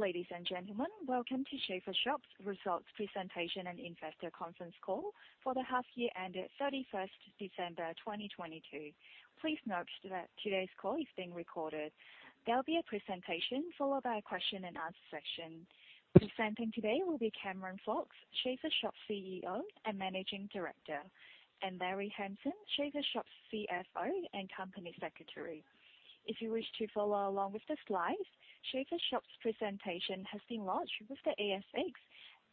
Ladies and gentlemen, welcome to Shaver Shop's results presentation and investor conference call for the half year ended 31st December 2022. Please note that today's call is being recorded. There'll be a presentation followed by a question-and-answer session. Presenting today will be Cameron Fox, Shaver Shop's CEO and Managing Director, and Larry Hamson, Shaver Shop's CFO and Company Secretary. If you wish to follow along with the slides, Shaver Shop's presentation has been launched with the ASX,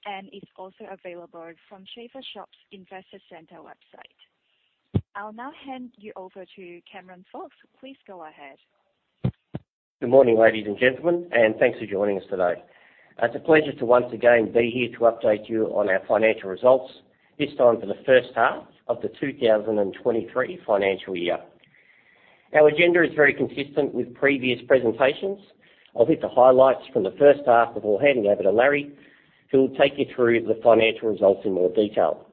and it's also available from Shaver Shop's Investor Center website. I'll now hand you over to Cameron Fox. Please go ahead. Good morning, ladies and gentlemen, thanks for joining us today. It's a pleasure to once again be here to update you on our financial results, this time for the first half of the 2023 financial year. Our agenda is very consistent with previous presentations. I'll hit the highlights from the first half before handing over to Larry, who will take you through the financial results in more detail.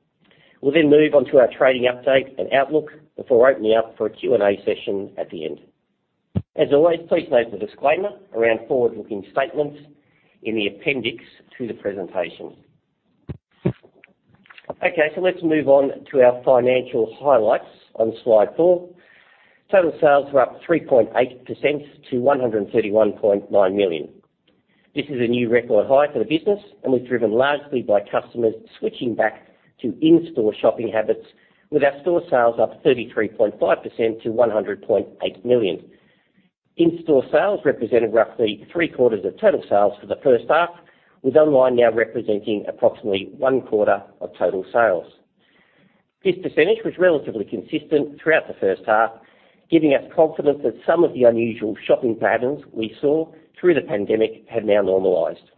We'll then move on to our trading update and outlook before opening up for a Q&A session at the end. As always, please note the disclaimer around forward-looking statements in the appendix to the presentation. Okay, let's move on to our financial highlights on Slide four. Total sales were up 3.8% to 131.9 million. This is a new record high for the business, was driven largely by customers switching back to in-store shopping habits with our store sales up 33.5% to 100.8 million. In-store sales represented roughly three-quarters of total sales for the first half, with online now representing approximately one quarter of total sales. This percentage was relatively consistent throughout the first half, giving us confidence that some of the unusual shopping patterns we saw through the pandemic have now normalized.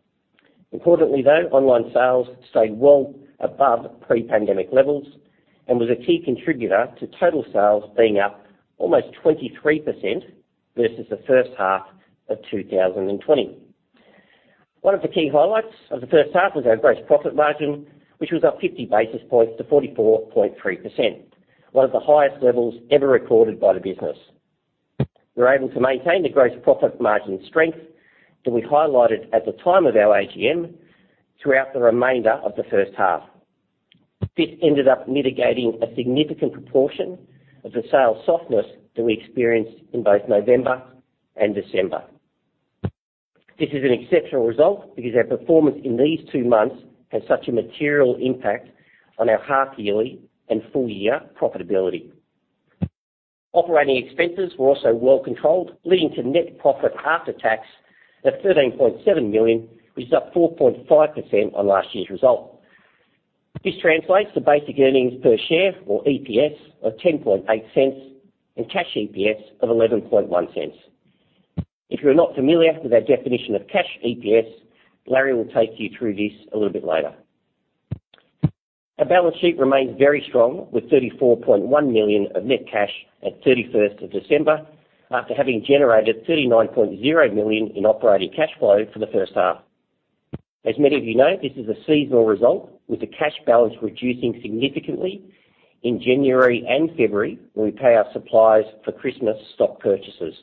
Importantly, though, online sales stayed well above pre-pandemic levels and was a key contributor to total sales being up almost 23% versus the first half of 2020. One of the key highlights of the first half was our gross profit margin, which was up 50 basis points to 44.3%, one of the highest levels ever recorded by the business. We were able to maintain the gross profit margin strength that we highlighted at the time of our AGM throughout the remainder of the first half. This ended up mitigating a significant proportion of the sales softness that we experienced in both November and December. This is an exceptional result because our performance in these two months has such a material impact on our half yearly and full year profitability. Operating expenses were also well controlled, leading to net profit after tax of 13.7 million, which is up 4.5% on last year's result. This translates to basic earnings per share or EPS of 0.108 and cash EPS of 0.111. If you're not familiar with our definition of cash EPS, Larry will take you through this a little bit later. Our balance sheet remains very strong, with 34.1 million of net cash at 31st in December, after having generated 39.0 million in operating cash flow for the first half. As many of you know, this is a seasonal result, with the cash balance reducing significantly in January and February, when we pay our suppliers for Christmas stock purchases.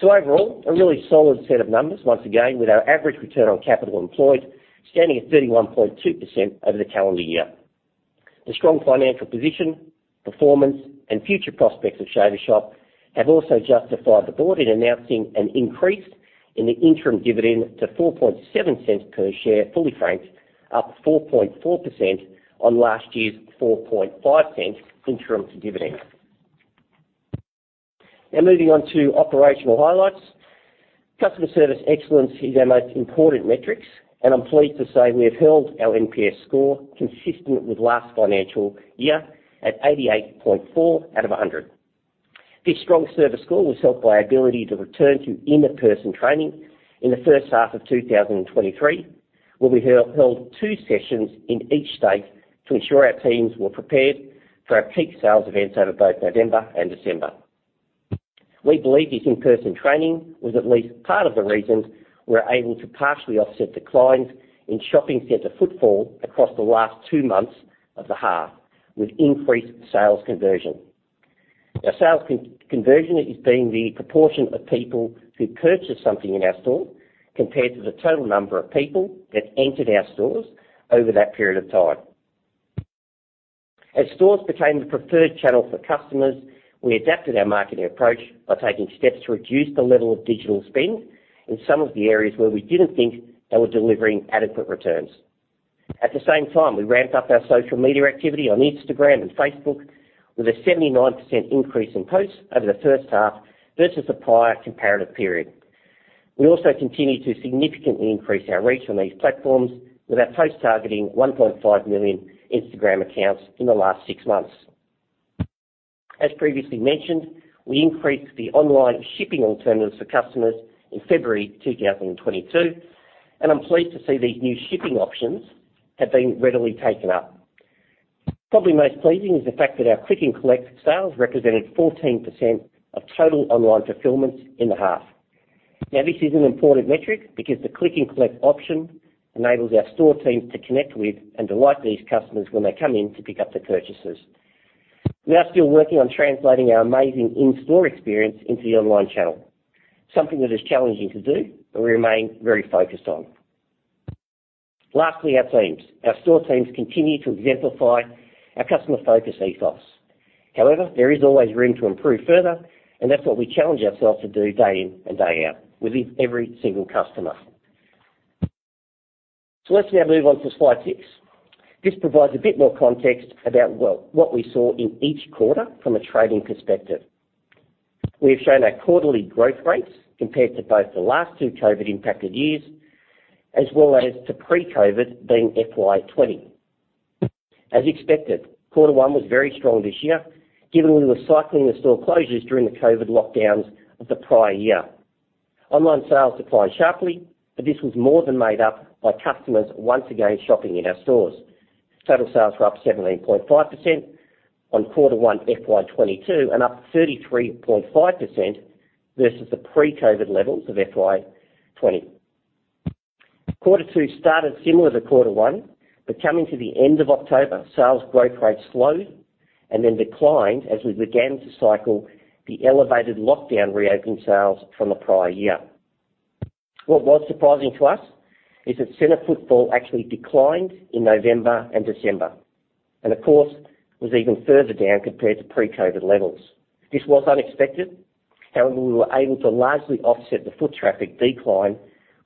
Overall, a really solid set of numbers once again with our average return on capital employed standing at 31.2% over the calendar year. The strong financial position, performance and future prospects of Shaver Shop have also justified the board in announcing an increase in the interim dividend to 0.047 per share, fully franked, up 4.4% on last year's 0.045 interim dividend. Moving on to operational highlights. Customer service excellence is our most important metrics, and I'm pleased to say we have held our NPS score consistent with last financial year at 88.4 out of 100. This strong service score was helped by our ability to return to in-person training in the first half of 2023, where we held two sessions in each state to ensure our teams were prepared for our peak sales events over both November and December. We believe this in-person training was at least part of the reason we're able to partially offset declines in shopping center footfall across the last two months of the half with increased sales conversion. Our sales conversion is being the proportion of people who purchase something in our store compared to the total number of people that entered our stores over that period of time. As stores became the preferred channel for customers, we adapted our marketing approach by taking steps to reduce the level of digital spend in some of the areas where we didn't think they were delivering adequate returns. At the same time, we ramped up our social media activity on Instagram and Facebook with a 79% increase in posts over the first half versus the prior comparative period. We also continued to significantly increase our reach on these platforms with our posts targeting 1.5 million Instagram accounts in the last six months. As previously mentioned, we increased the online shipping alternatives for customers in February 2022, and I'm pleased to see these new shipping options have been readily taken up. Probably most pleasing is the fact that our click and collect sales represented 14% of total online fulfillments in the half. Now, this is an important metric because the click and collect option enables our store teams to connect with and delight these customers when they come in to pick up the purchases. We are still working on translating our amazing in-store experience into the online channel, something that is challenging to do, but we remain very focused on. Lastly, our teams. Our store teams continue to exemplify our customer focus ethos. There is always room to improve further, and that's what we challenge ourselves to do day in and day out with each and every single customer. Let's now move on to Slide six. This provides a bit more context about what we saw in each quarter from a trading perspective. We've shown our quarterly growth rates compared to both the last two COVID-impacted years as well as to pre-COVID, being FY 2020. As expected, quarter one was very strong this year, given we were cycling the store closures during the COVID lockdowns of the prior year. Online sales declined sharply, this was more than made up by customers once again shopping in our stores. Total sales were up 17.5% on quarter one FY 2022 and up 33.5% versus the pre-COVID levels of FY 2020. Quarter two started similar to quarter one, coming to the end of October, sales growth rates slowed and then declined as we began to cycle the elevated lockdown reopen sales from the prior year. What was surprising to us is that center footfall actually declined in November and December, of course, was even further down compared to pre-COVID levels. This was unexpected. However, we were able to largely offset the foot traffic decline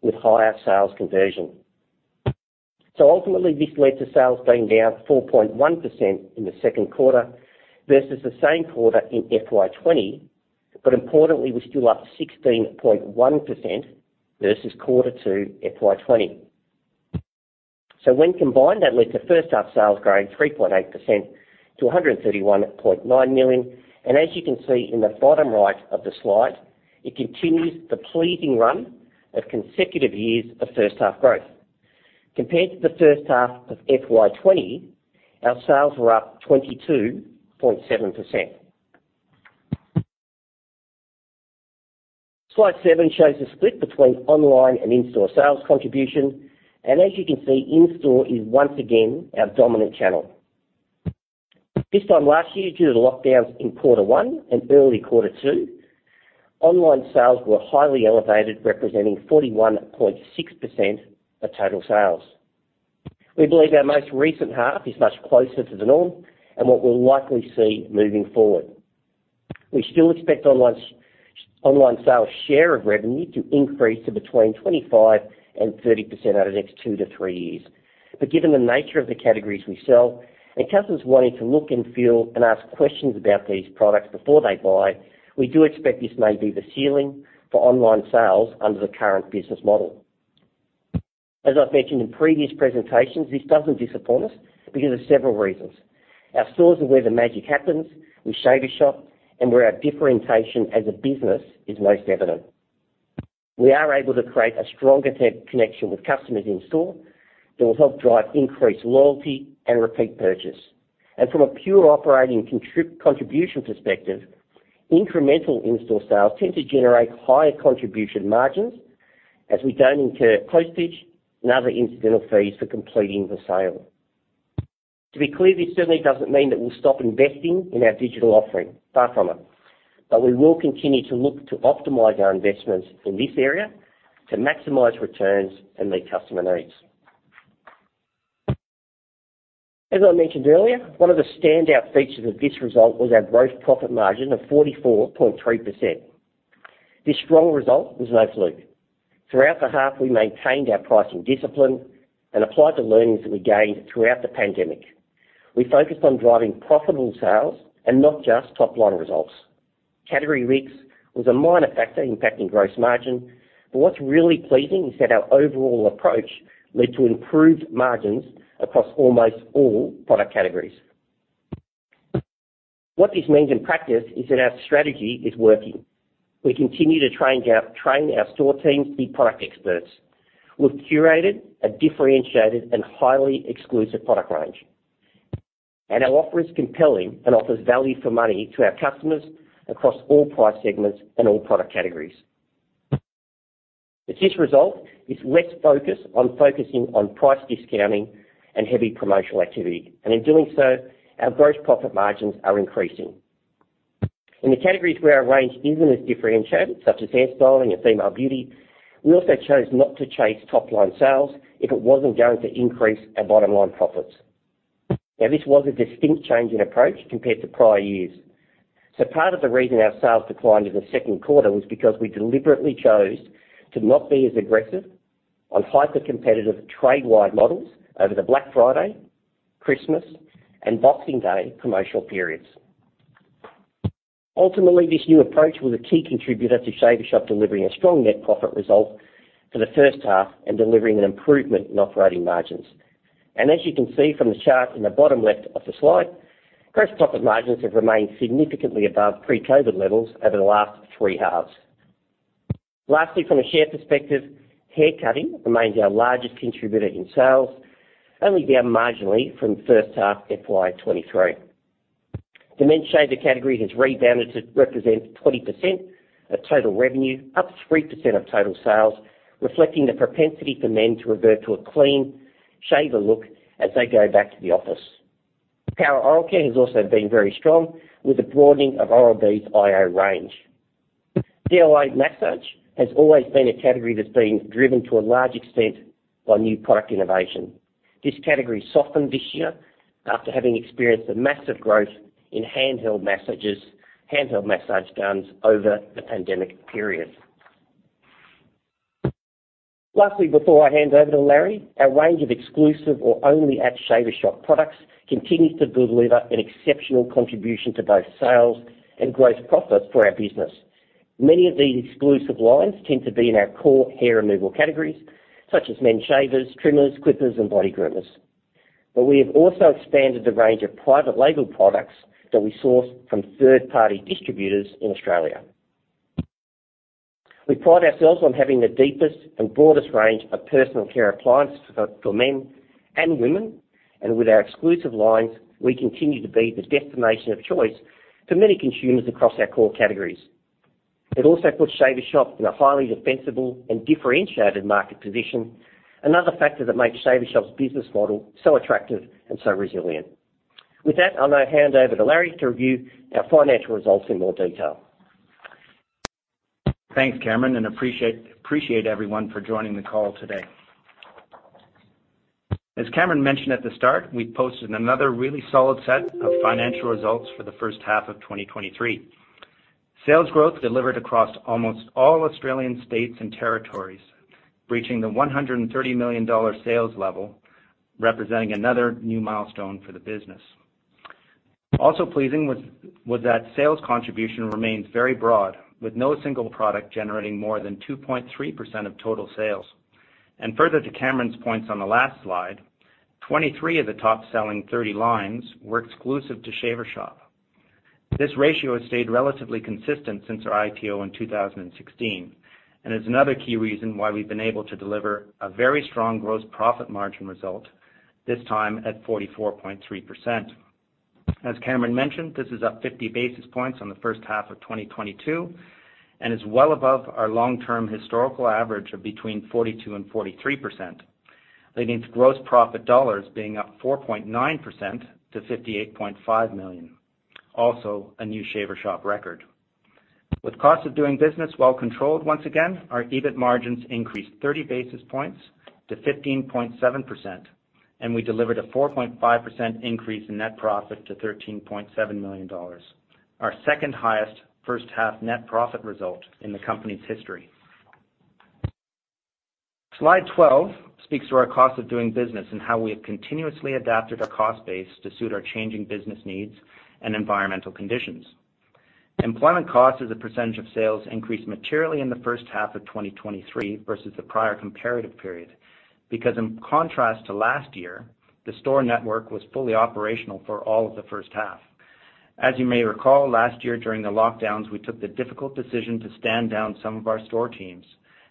with higher sales conversion. Ultimately, this led to sales being down 4.1% in the second quarter versus the same quarter in FY 2020. Importantly, we're still up 16.1% versus quarter two FY 2020. When combined, that led to first-half sales growing 3.8% to 131.9 million. As you can see in the bottom right of the slide, it continues the pleasing run of consecutive years of first-half growth. Compared to the first half of FY 2020, our sales were up 22.7%. Slide seven shows the split between online and in-store sales contribution. As you can see, in-store is once again our dominant channel. This time last year, due to lockdowns in quarter one and early quarter two, online sales were highly elevated, representing 41.6% of total sales. We believe our most recent half is much closer to the norm and what we'll likely see moving forward. We still expect online sales share of revenue to increase to between 20% and 30% over the next two to three years. Given the nature of the categories we sell and customers wanting to look and feel and ask questions about these products before they buy, we do expect this may be the ceiling for online sales under the current business model. As I've mentioned in previous presentations, this doesn't disappoint us because of several reasons. Our stores are where the magic happens with Shaver Shop and where our differentiation as a business is most evident. We are able to create a stronger connection with customers in store that will help drive increased loyalty and repeat purchase. From a pure operating contribution perspective, incremental in-store sales tend to generate higher contribution margins as we don't incur postage and other incidental fees for completing the sale. To be clear, this certainly doesn't mean that we'll stop investing in our digital offering, far from it. We will continue to look to optimize our investments in this area to maximize returns and meet customer needs. As I mentioned earlier, one of the standout features of this result was our gross profit margin of 44.3%. This strong result was no fluke. Throughout the half, we maintained our pricing discipline and applied the learnings that we gained throughout the pandemic. We focused on driving profitable sales and not just top-line results. Category mix was a minor factor impacting gross margin, but what's really pleasing is that our overall approach led to improved margins across almost all product categories. What this means in practice is that our strategy is working. We continue to train our store teams to be product experts. We've curated a differentiated and highly exclusive product range, our offer is compelling and offers value for money to our customers across all price segments and all product categories. With this result is less focus on focusing on price discounting and heavy promotional activity. In doing so, our gross profit margins are increasing. In the categories where our range isn't as differentiated, such as hairstyling and female beauty, we also chose not to chase top-line sales if it wasn't going to increase our bottom line profits. Now, this was a distinct change in approach compared to prior years. Part of the reason our sales declined in the second quarter was because we deliberately chose to not be as aggressive on hyper-competitive trade-wide models over the Black Friday, Christmas, and Boxing Day promotional periods. This new approach was a key contributor to Shaver Shop delivering a strong net profit result for the first half and delivering an improvement in operating margins. As you can see from the chart in the bottom left of the slide, gross profit margins have remained significantly above pre-COVID levels over the last three halves. Lastly, from a share perspective, haircutting remains our largest contributor in sales, only down marginally from first half FY 2023. The men's shaver category has rebounded to represent 20% of total revenue, up 3% of total sales, reflecting the propensity for men to revert to a clean shave and look as they go back to the office. Power oral care has also been very strong with the broadening of Oral-B's iO range. DIY massage has always been a category that's been driven to a large extent by new product innovation. This category softened this year after having experienced a massive growth in handheld massage guns over the pandemic period. Lastly, before I hand over to Larry, our range of exclusive or only at Shaver Shop products continues to deliver an exceptional contribution to both sales and gross profit for our business. Many of these exclusive lines tend to be in our core hair removal categories, such as men's shavers, trimmers, clippers, and body groomers. We have also expanded the range of private label products that we source from third-party distributors in Australia. We pride ourselves on having the deepest and broadest range of personal care appliances for men and women. With our exclusive lines, we continue to be the destination of choice for many consumers across our core categories. It also puts Shaver Shop in a highly defensible and differentiated market position, another factor that makes Shaver Shop's business model so attractive and so resilient. With that, I'll now hand over to Larry to review our financial results in more detail. Thanks, Cameron, appreciate everyone for joining the call today. As Cameron mentioned at the start, we've posted another really solid set of financial results for the first half of 2023. Sales growth delivered across almost all Australian states and territories, breaching the 130 million dollar sales level, representing another new milestone for the business. Also pleasing was that sales contribution remains very broad, with no single product generating more than 2.3% of total sales. Further to Cameron's points on the last slide, 23 of the top-selling 30 lines were exclusive to Shaver Shop. This ratio has stayed relatively consistent since our IPO in 2016, and is another key reason why we've been able to deliver a very strong gross profit margin result, this time at 44.3%. As Cameron mentioned, this is up 50 basis points on the first half of 2022, and is well above our long-term historical average of between 42% and 43%, leading to gross profit dollars being up 4.9% to 58.5 million. Also a new Shaver Shop record. With cost of doing business well controlled once again, our EBIT margins increased 30 basis points to 15.7%, and we delivered a 4.5% increase in net profit to 13.7 million dollars, our second-highest first half net profit result in the company's history. Slide 12 speaks to our cost of doing business and how we have continuously adapted our cost base to suit our changing business needs and environmental conditions. Employment costs as a percentage of sales increased materially in the first half of 2023 versus the prior comparative period. In contrast to last year, the store network was fully operational for all of the first half. As you may recall, last year during the lockdowns, we took the difficult decision to stand down some of our store teams,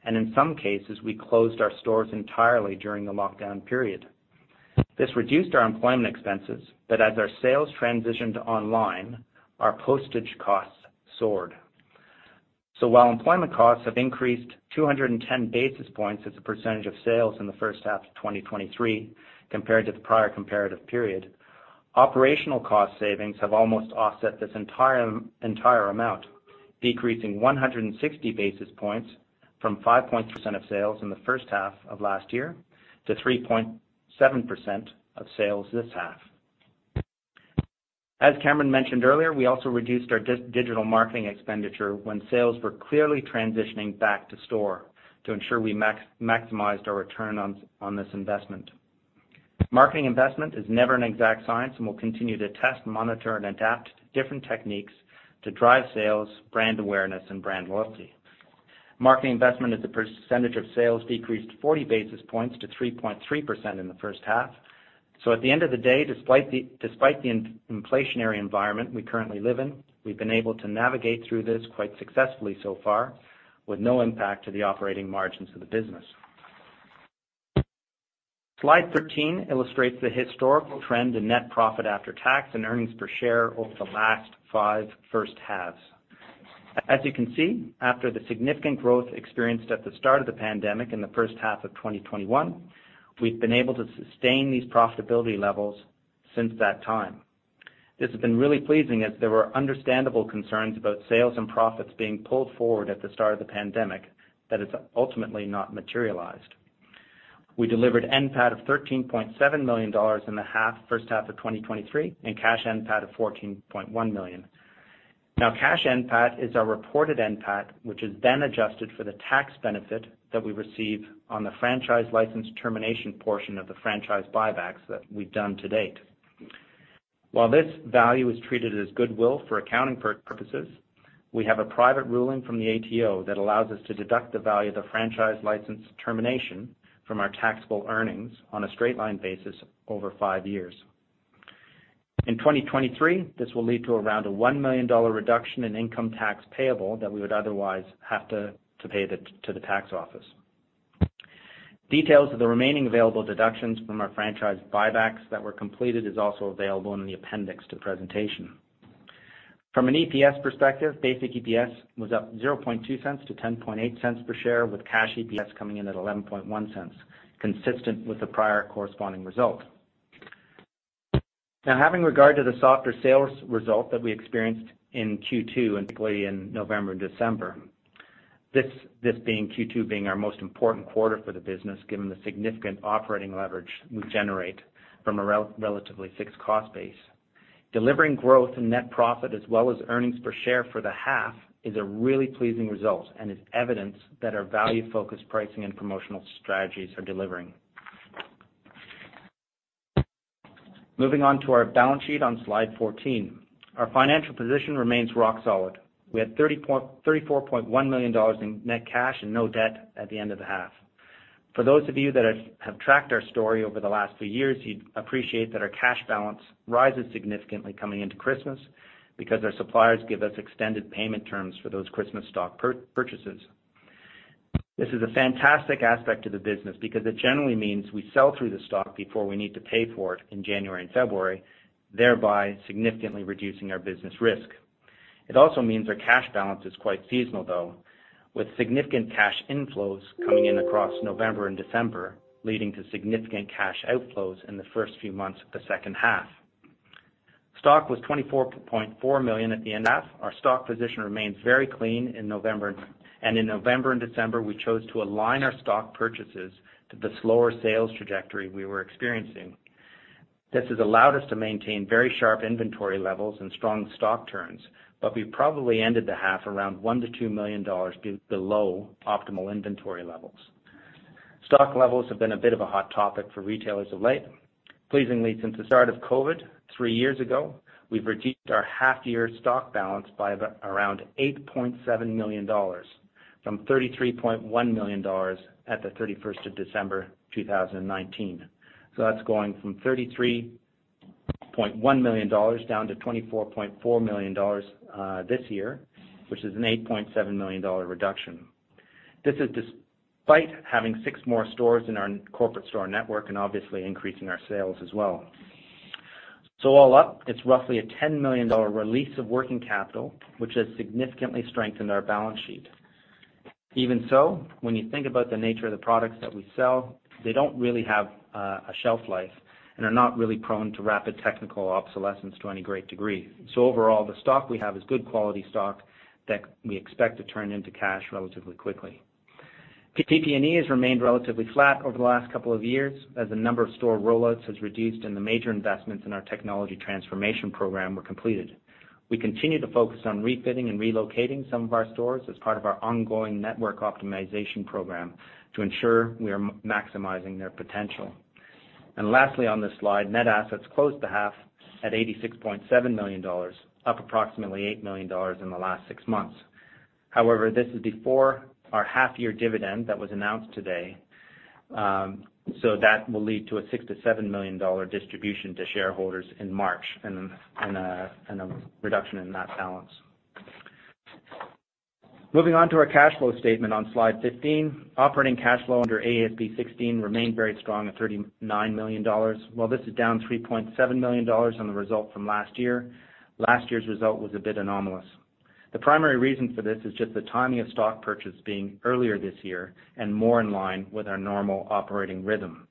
and in some cases, we closed our stores entirely during the lockdown period. This reduced our employment expenses, but as our sales transitioned online, our postage costs soared. While employment costs have increased 210 basis points as a percentage of sales in the first half of 2023 compared to the prior comparative period, operational cost savings have almost offset this entire amount, decreasing 160 basis points from 5.0% of sales in the first half of last year to 3.7% of sales this half. As Cameron mentioned earlier, we also reduced our digital marketing expenditure when sales were clearly transitioning back to store to ensure we maximized our return on this investment. Marketing investment is never an exact science, we'll continue to test, monitor, and adapt different techniques to drive sales, brand awareness, and brand loyalty. Marketing investment as a percentage of sales decreased 40 basis points to 3.3% in the first half. At the end of the day, despite the inflationary environment we currently live in, we've been able to navigate through this quite successfully so far with no impact to the operating margins of the business. Slide 13 illustrates the historical trend in net profit after tax and earnings per share over the last five first halves. As you can see, after the significant growth experienced at the start of the pandemic in the first half of 2021, we've been able to sustain these profitability levels since that time. This has been really pleasing as there were understandable concerns about sales and profits being pulled forward at the start of the pandemic that has ultimately not materialized. We delivered NPAT of 13.7 million dollars in the first half of 2023 and cash NPAT of 14.1 million. Cash NPAT is our reported NPAT, which is then adjusted for the tax benefit that we receive on the franchise license termination portion of the franchise buybacks that we've done to date. While this value is treated as goodwill for accounting purposes, we have a private ruling from the ATO that allows us to deduct the value of the franchise license termination from our taxable earnings on a straight line basis over five years. In 2023, this will lead to around an 1 million dollar reduction in income tax payable that we would otherwise have to pay to the tax office. Details of the remaining available deductions from our franchise buybacks that were completed is also available in the appendix to the presentation. From an EPS perspective, basic EPS was up 0.002 to 0.108 per share, with cash EPS coming in at 0.111, consistent with the prior corresponding result. Having regard to the softer sales result that we experienced in Q2 and particularly in November and December, this being Q2 being our most important quarter for the business, given the significant operating leverage we generate from a relatively fixed cost base. Delivering growth in net profit as well as earnings per share for the half is a really pleasing result and is evidence that our value-focused pricing and promotional strategies are delivering. Moving on to our balance sheet on Slide 14. Our financial position remains rock solid. We had 34.1 million dollars in net cash and no debt at the end of the half. For those of you that have tracked our story over the last few years, you'd appreciate that our cash balance rises significantly coming into Christmas because our suppliers give us extended payment terms for those Christmas stock purchases. This is a fantastic aspect to the business because it generally means we sell through the stock before we need to pay for it in January and February, thereby significantly reducing our business risk. It also means our cash balance is quite seasonal, though, with significant cash inflows coming in across November and December, leading to significant cash outflows in the first few months of the second half. Stock was 24.4 million at the NF. Our stock position remains very clean in November. In November and December, we chose to align our stock purchases to the slower sales trajectory we were experiencing. This has allowed us to maintain very sharp inventory levels and strong stock turns, but we probably ended the half around 1 million-2 million dollars below optimal inventory levels. Stock levels have been a bit of a hot topic for retailers of late. Pleasingly, since the start of COVID three years ago, we've reduced our half-year stock balance by around $8.7 million from $33.1 million at the 31st of December, 2019. That's going from $33.1 million down to $24.4 million this year, which is an $8.7 million reduction. This is despite having six more stores in our corporate store network and obviously increasing our sales as well. All up, it's roughly a $10 million release of working capital, which has significantly strengthened our balance sheet. Even so, when you think about the nature of the products that we sell, they don't really have a shelf life and are not really prone to rapid technical obsolescence to any great degree. Overall, the stock we have is good quality stock that we expect to turn into cash relatively quickly. PP&E has remained relatively flat over the last couple of years as the number of store rollouts has reduced and the major investments in our technology transformation program were completed. We continue to focus on refitting and relocating some of our stores as part of our ongoing network optimization program to ensure we are maximizing their potential. Lastly, on this slide, net assets closed the half at 86.7 million dollars, up approximately 8 million dollars in the last six months. However, this is before our half-year dividend that was announced today, so that will lead to a 6 million-7 million dollar distribution to shareholders in March and a reduction in that balance. Moving on to our cash flow statement on Slide 15. Operating cash flow under AASB 16 remained very strong at 39 million dollars. While this is down 3.7 million dollars on the result from last year, last year's result was a bit anomalous. The primary reason for this is just the timing of stock purchase being earlier this year and more in line with our normal operating rhythm.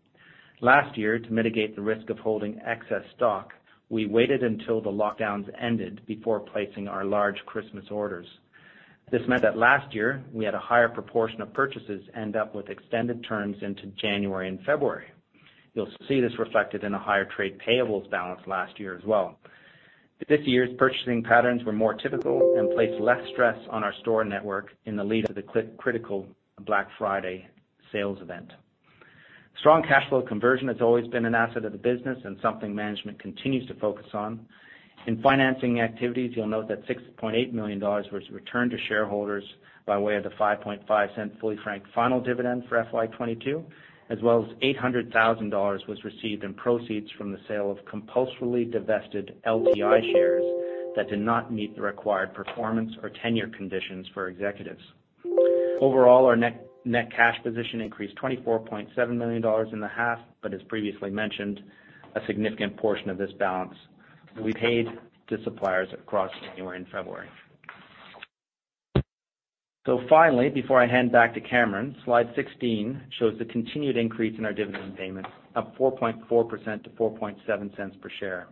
Last year, to mitigate the risk of holding excess stock, we waited until the lockdowns ended before placing our large Christmas orders. This meant that last year we had a higher proportion of purchases end up with extended terms into January and February. You'll see this reflected in a higher trade payables balance last year as well. This year's purchasing patterns were more typical and placed less stress on our store network in the lead of the critical Black Friday sales event. Strong cash flow conversion has always been an asset of the business and something management continues to focus on. In financing activities, you'll note that 6.8 million dollars was returned to shareholders by way of the 0.055 fully frank final dividend for FY 2022, as well as 800,000 dollars was received in proceeds from the sale of compulsorily divested LTI shares that did not meet the required performance or tenure conditions for executives. Overall, our net cash position increased 24.7 million dollars in the half, but as previously mentioned, a significant portion of this balance will be paid to suppliers across January and February. Finally, before I hand back to Cameron, Slide 16 shows the continued increase in our dividend payment, up 4.4% to 0.047 per share.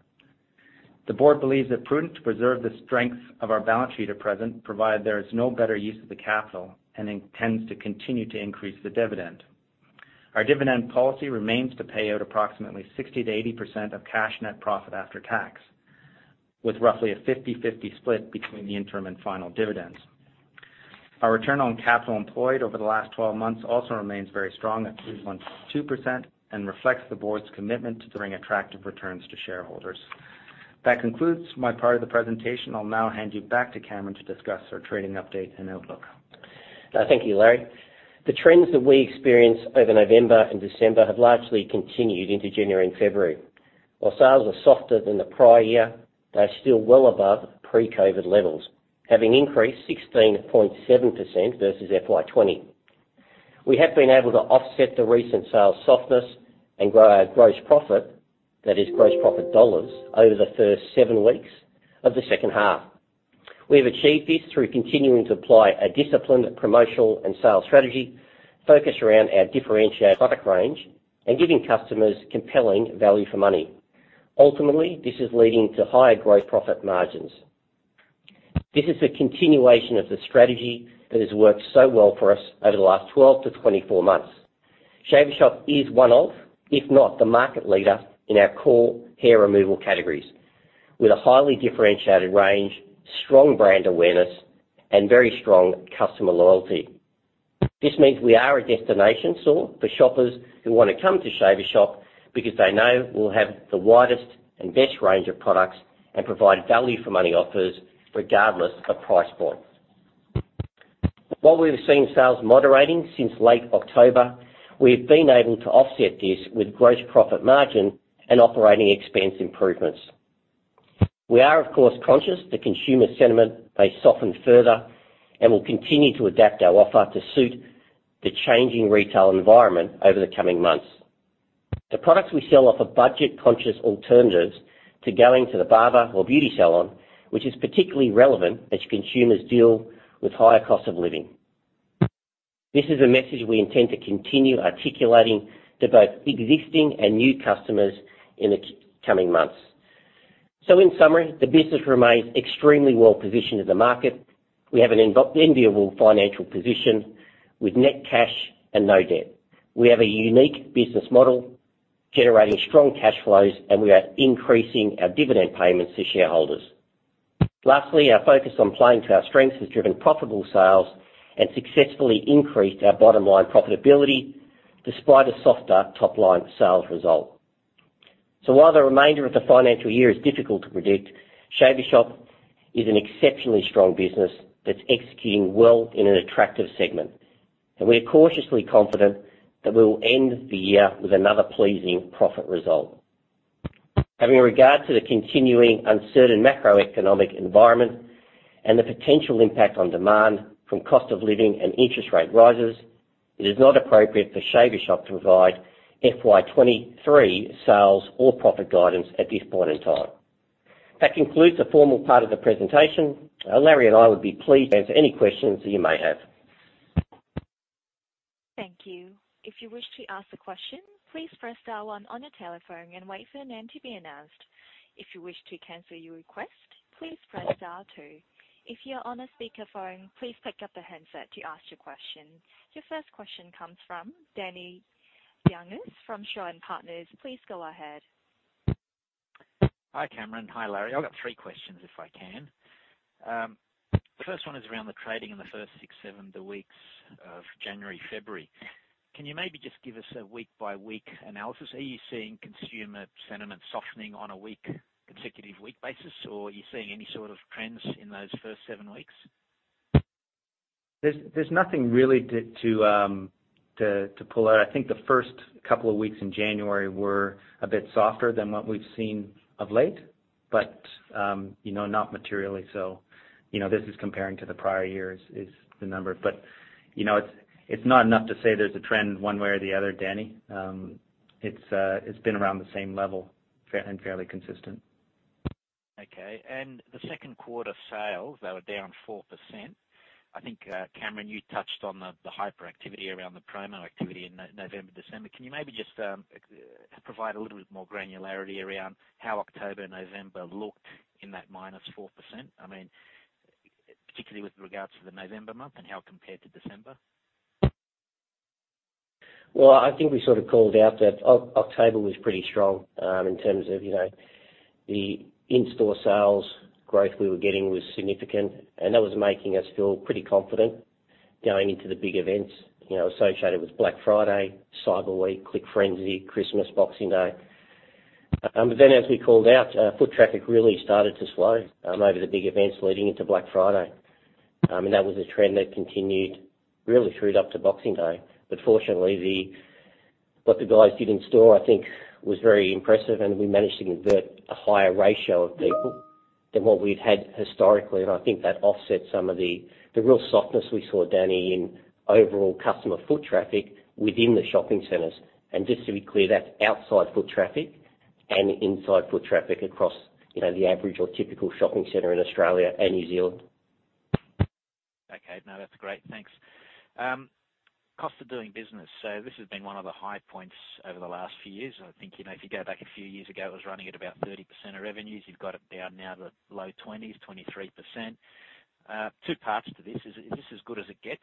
The board believes it prudent to preserve the strength of our balance sheet at present, provided there is no better use of the capital and intends to continue to increase the dividend. Our dividend policy remains to pay out approximately 60%-80% of cash net profit after tax, with roughly a 50/50 split between the interim and final dividends. Our return on capital employed over the last 12 months also remains very strong at 3.2% and reflects the board's commitment to bring attractive returns to shareholders. That concludes my part of the presentation. I'll now hand you back to Cameron to discuss our trading update and outlook. Thank you, Larry. The trends that we experienced over November and December have largely continued into January and February. While sales are softer than the prior year, they're still well above pre-COVID levels, having increased 16.7% versus FY 2020. We have been able to offset the recent sales softness and grow our gross profit, that is gross profit dollars, over the first seven weeks of the second half. We have achieved this through continuing to apply a disciplined promotional and sales strategy focused around our differentiated product range and giving customers compelling value for money. Ultimately, this is leading to higher gross profit margins. This is a continuation of the strategy that has worked so well for us over the last 12 to 24 months. Shaver Shop is one of, if not the market leader in our core hair removal categories, with a highly differentiated range, strong brand awareness, and very strong customer loyalty. This means we are a destination store for shoppers who wanna come to Shaver Shop because they know we'll have the widest and best range of products and provide value for money offers regardless of price point. While we've seen sales moderating since late October, we've been able to offset this with gross profit margin and operating expense improvements. We are of course conscious the consumer sentiment may soften further, and we'll continue to adapt our offer to suit the changing retail environment over the coming months. The products we sell offer budget-conscious alternatives to going to the barber or beauty salon, which is particularly relevant as consumers deal with higher cost of living. This is a message we intend to continue articulating to both existing and new customers in the coming months. In summary, the business remains extremely well-positioned in the market. We have an enviable financial position with net cash and no debt. We have a unique business model generating strong cash flows, and we are increasing our dividend payments to shareholders. Lastly, our focus on playing to our strengths has driven profitable sales and successfully increased our bottom line profitability despite a softer top-line sales result. While the remainder of the financial year is difficult to predict, Shaver Shop is an exceptionally strong business that's executing well in an attractive segment. We are cautiously confident that we'll end the year with another pleasing profit result. Having regard to the continuing uncertain macroeconomic environment and the potential impact on demand from cost of living and interest rate rises, it is not appropriate for Shaver Shop to provide FY 2023 sales or profit guidance at this point in time. That concludes the formal part of the presentation. Larry and I would be pleased to answer any questions that you may have. Thank you. If you wish to ask a question, please press star one on your telephone and wait for your name to be announced. If you wish to cancel your request, please press star two. If you're on a speakerphone, please pick up the handset to ask your question. Your first question comes from Danny Younis from Shaw and Partners. Please go ahead. Hi, Cameron. Hi, Larry. I've got three questions, if I can. The first one is around the trading in the first six, seven, the weeks of January, February. Can you maybe just give us a week-by-week analysis? Are you seeing consumer sentiment softening on a consecutive week basis, or are you seeing any sort of trends in those first seven weeks? There's nothing really to pull out. I think the first couple of weeks in January were a bit softer than what we've seen of late, but, you know, not materially so. You know, this is comparing to the prior years is the number. You know, it's not enough to say there's a trend one way or the other, Danny. It's been around the same level fairly consistent. Okay. The second quarter sales, they were down 4%. I think, Cameron, you touched on the hyperactivity around the promo activity in November, December. Can you maybe just provide a little bit more granularity around how October, November looked in that -4%? I mean, particularly with regards to the November month and how it compared to December. I think we sort of called out that October was pretty strong, in terms of, you know, the in-store sales growth we were getting was significant, and that was making us feel pretty confident going into the big events, you know, associated with Black Friday, Cyber Week, Click Frenzy, Christmas, Boxing Day. As we called out, foot traffic really started to slow over the big events leading into Black Friday. That was a trend that continued really through it up to Boxing Day. Fortunately, what the guys did in store I think was very impressive, and we managed to convert a higher ratio of people than what we've had historically. I think that offset some of the real softness we saw, Danny, in overall customer foot traffic within the shopping centers. Just to be clear, that's outside foot traffic and inside foot traffic across, you know, the average or typical shopping center in Australia and New Zealand. Okay. No, that's great. Thanks. Cost of doing business. This has been one of the high points over the last few years. I think, you know, if you go back a few years ago, it was running at about 30% of revenues. You've got it down now to low 20s%, 23%. Two parts to this. Is this as good as it gets?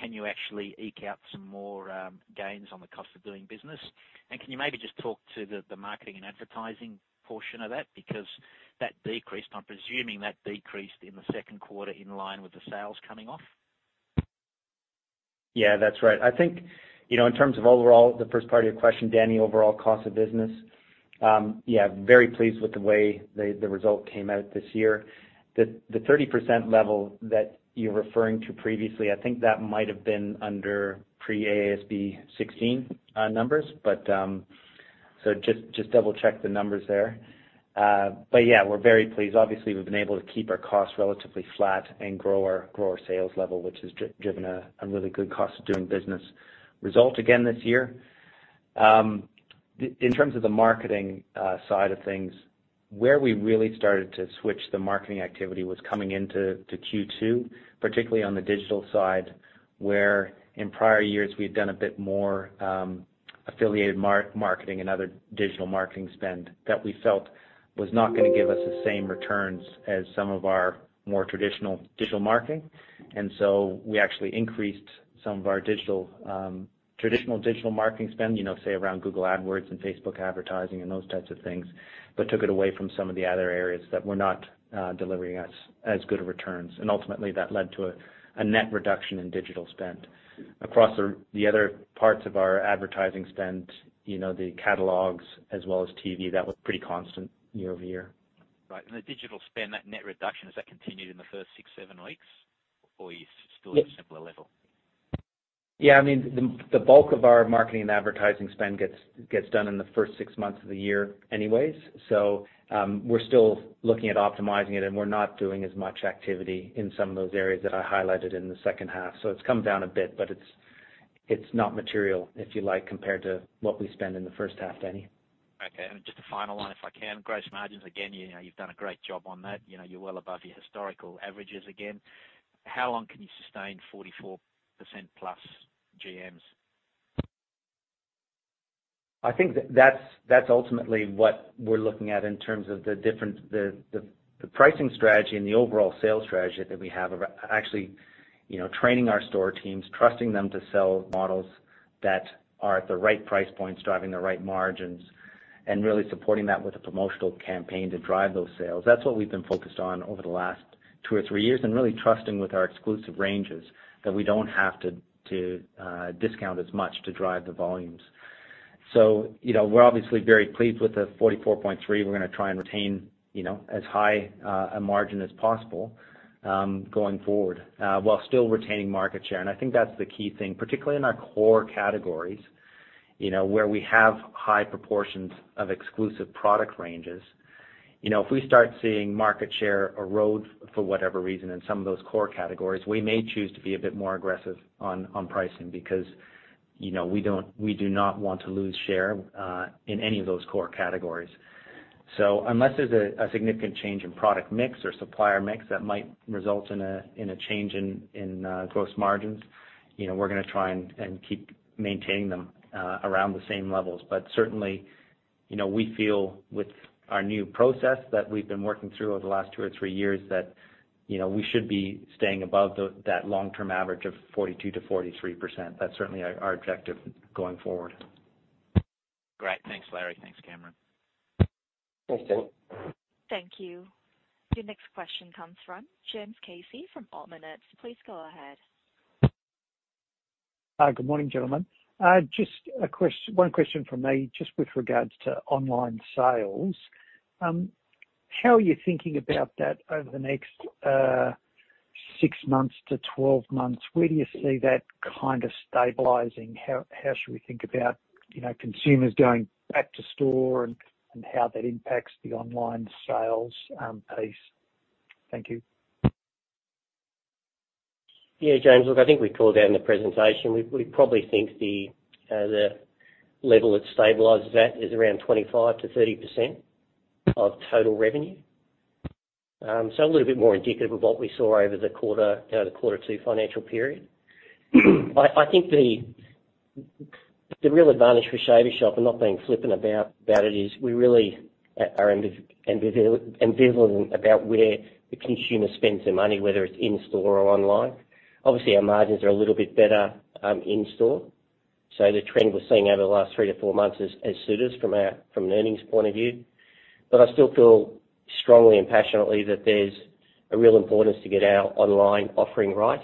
Can you actually eke out some more gains on the cost of doing business? Can you maybe just talk to the marketing and advertising portion of that? Because that decreased, I'm presuming that decreased in the second quarter in line with the sales coming off. Yeah, that's right. I think, you know, in terms of overall, the first part of your question, Danny, overall cost of business, yeah, very pleased with the way the result came out this year. The 30% level that you're referring to previously, I think that might have been under pre-AASB 16 numbers. Just double check the numbers there. Yeah, we're very pleased. Obviously, we've been able to keep our costs relatively flat and grow our sales level, which has driven a really good cost of doing business result again this year. In terms of the marketing side of things, where we really started to switch the marketing activity was coming into Q2, particularly on the digital side, where in prior years we've done a bit more affiliated marketing and other digital marketing spend that we felt was not gonna give us the same returns as some of our more traditional digital marketing. We actually increased some of our digital traditional digital marketing spend, you know, say around Google Ads and Facebook advertising and those types of things, but took it away from some of the other areas that were not delivering us as good returns. Ultimately that led to a net reduction in digital spend. Across the other parts of our advertising spend, you know, the catalogs as well as TV, that was pretty constant year-over-year. Right. The digital spend, that net reduction, has that continued in the first six, seven weeks? Or are you still at a similar level? Yeah. I mean, the bulk of our marketing and advertising spend gets done in the first six months of the year anyways. We're still looking at optimizing it, and we're not doing as much activity in some of those areas that I highlighted in the second half. It's come down a bit, but it's not material, if you like, compared to what we spend in the first half, Danny. Okay. Just a final one, if I can. Gross margins, again, you know, you've done a great job on that. You know, you're well above your historical averages again. How long can you sustain 44%+ GMs? I think that's ultimately what we're looking at in terms of the different. The pricing strategy and the overall sales strategy that we have of actually, you know, training our store teams, trusting them to sell models that are at the right price points, driving the right margins, and really supporting that with a promotional campaign to drive those sales. That's what we've been focused on over the last two or three years, and really trusting with our exclusive ranges that we don't have to discount as much to drive the volumes. You know, we're obviously very pleased with the 44.3%. We're gonna try and retain, you know, as high a margin as possible going forward, while still retaining market share. I think that's the key thing, particularly in our core categories, you know, where we have high proportions of exclusive product ranges. If we start seeing market share erode for whatever reason in some of those core categories, we may choose to be a bit more aggressive on pricing because, you know, we do not want to lose share in any of those core categories. Unless there's a significant change in product mix or supplier mix that might result in a change in gross margins, you know, we're gonna try and keep maintaining them around the same levels. Certainly, you know, we feel with our new process that we've been working through over the last two or three years that, you know, we should be staying above that long-term average of 42%-43%. That's certainly our objective going forward. Great. Thanks, Larry. Thanks, Cameron. Thanks, Danny. Thank you. Your next question comes from James Casey from Ord Minnett. Please go ahead. Good morning, gentlemen. Just one question from me, just with regards to online sales. How are you thinking about that over the next six months to 12 months? Where do you see that kind of stabilizing? How should we think about, you know, consumers going back to store and how that impacts the online sales piece? Thank you. Yeah, James. Look, I think we called out in the presentation, we probably think the level it stabilizes at is around 25%-30% of total revenue. A little bit more indicative of what we saw over the quarter, you know, the quarter two financial period. I think the real advantage for Shaver Shop and not being flippant about it is we really are ambivalent about where the consumer spends their money, whether it's in-store or online. Obviously, our margins are a little bit better in-store. The trend we're seeing over the last three to four months has suited us from an earnings point of view. I still feel strongly and passionately that there's a real importance to get our online offering right.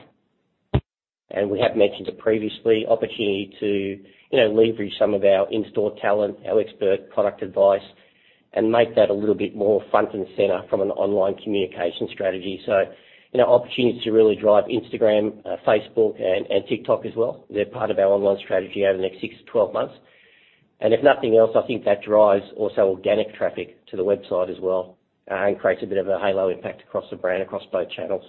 We have mentioned previously opportunity to, you know, leverage some of our in-store talent, our expert product advice, and make that a little bit more front and center from an online communication strategy. You know, opportunities to really drive Instagram, Facebook and TikTok as well. They're part of our online strategy over the next six to 12 months. If nothing else, I think that drives also organic traffic to the website as well, and creates a bit of a halo impact across the brand, across both channels.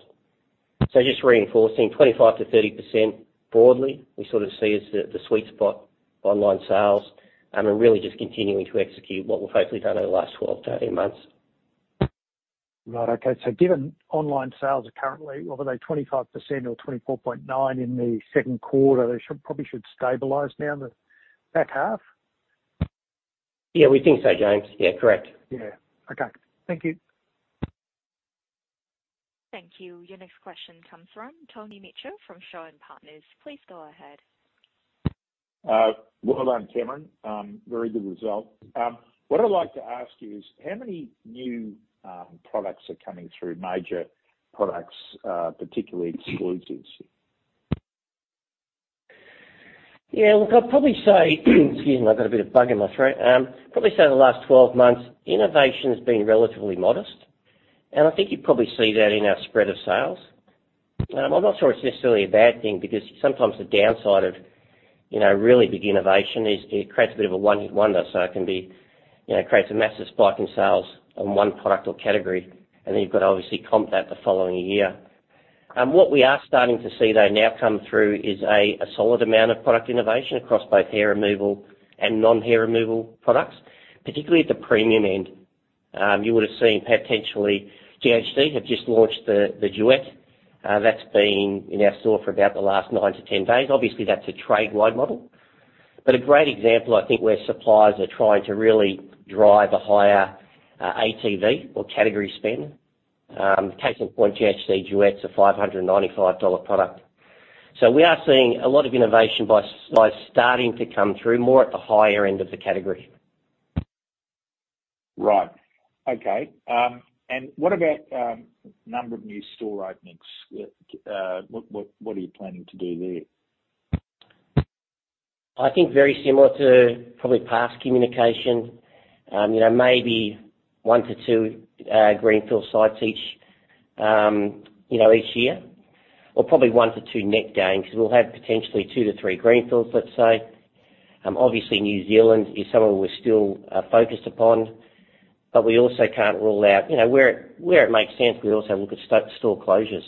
Just reinforcing 25%-30% broadly, we sort of see as the sweet spot online sales, and we're really just continuing to execute what we've hopefully done over the last 12-18 months. Right. Okay. Given online sales are currently, what were they? 25% or 24.9% in the second quarter, they probably should stabilize now in the back half? Yeah, we think so, James. Yeah, correct. Yeah. Okay. Thank you. Thank you. Your next question comes from Tony Mitchell from Shaw and Partners. Please go ahead. Well done, Cameron. Very good result. What I'd like to ask you is how many new products are coming through, major products, particularly exclusives? Yeah. Look, I'd probably say excuse me, I've got a bit of bug in my throat. Probably say the last 12 months, innovation has been relatively modest, and I think you probably see that in our spread of sales. I'm not sure it's necessarily a bad thing because sometimes the downside of, you know, really big innovation is it creates a bit of a one hit wonder, so it can be, you know, creates a massive spike in sales on one product or category. Then you've got obviously comp that the following year. What we are starting to see though now come through is a solid amount of product innovation across both hair removal and non-hair removal products, particularly at the premium end. You would have seen potentially ghd have just launched the Duet. That's been in our store for about the last nine to 10 days. Obviously, that's a trade wide model. A great example, I think, where suppliers are trying to really drive a higher ATV or category spend. Case in point, ghd Duet's an 595 dollar product. We are seeing a lot of innovation by suppliers starting to come through more at the higher end of the category. Right. Okay. What about, number of new store openings? What are you planning to do there? I think very similar to probably past communication. You know, maybe one to two greenfield sites each, you know, each year, or probably one to two net gains. We'll have potentially two to three greenfields, let's say. Obviously, New Zealand is somewhere we're still focused upon, but we also can't rule out, you know, where it makes sense, we also look at store closures.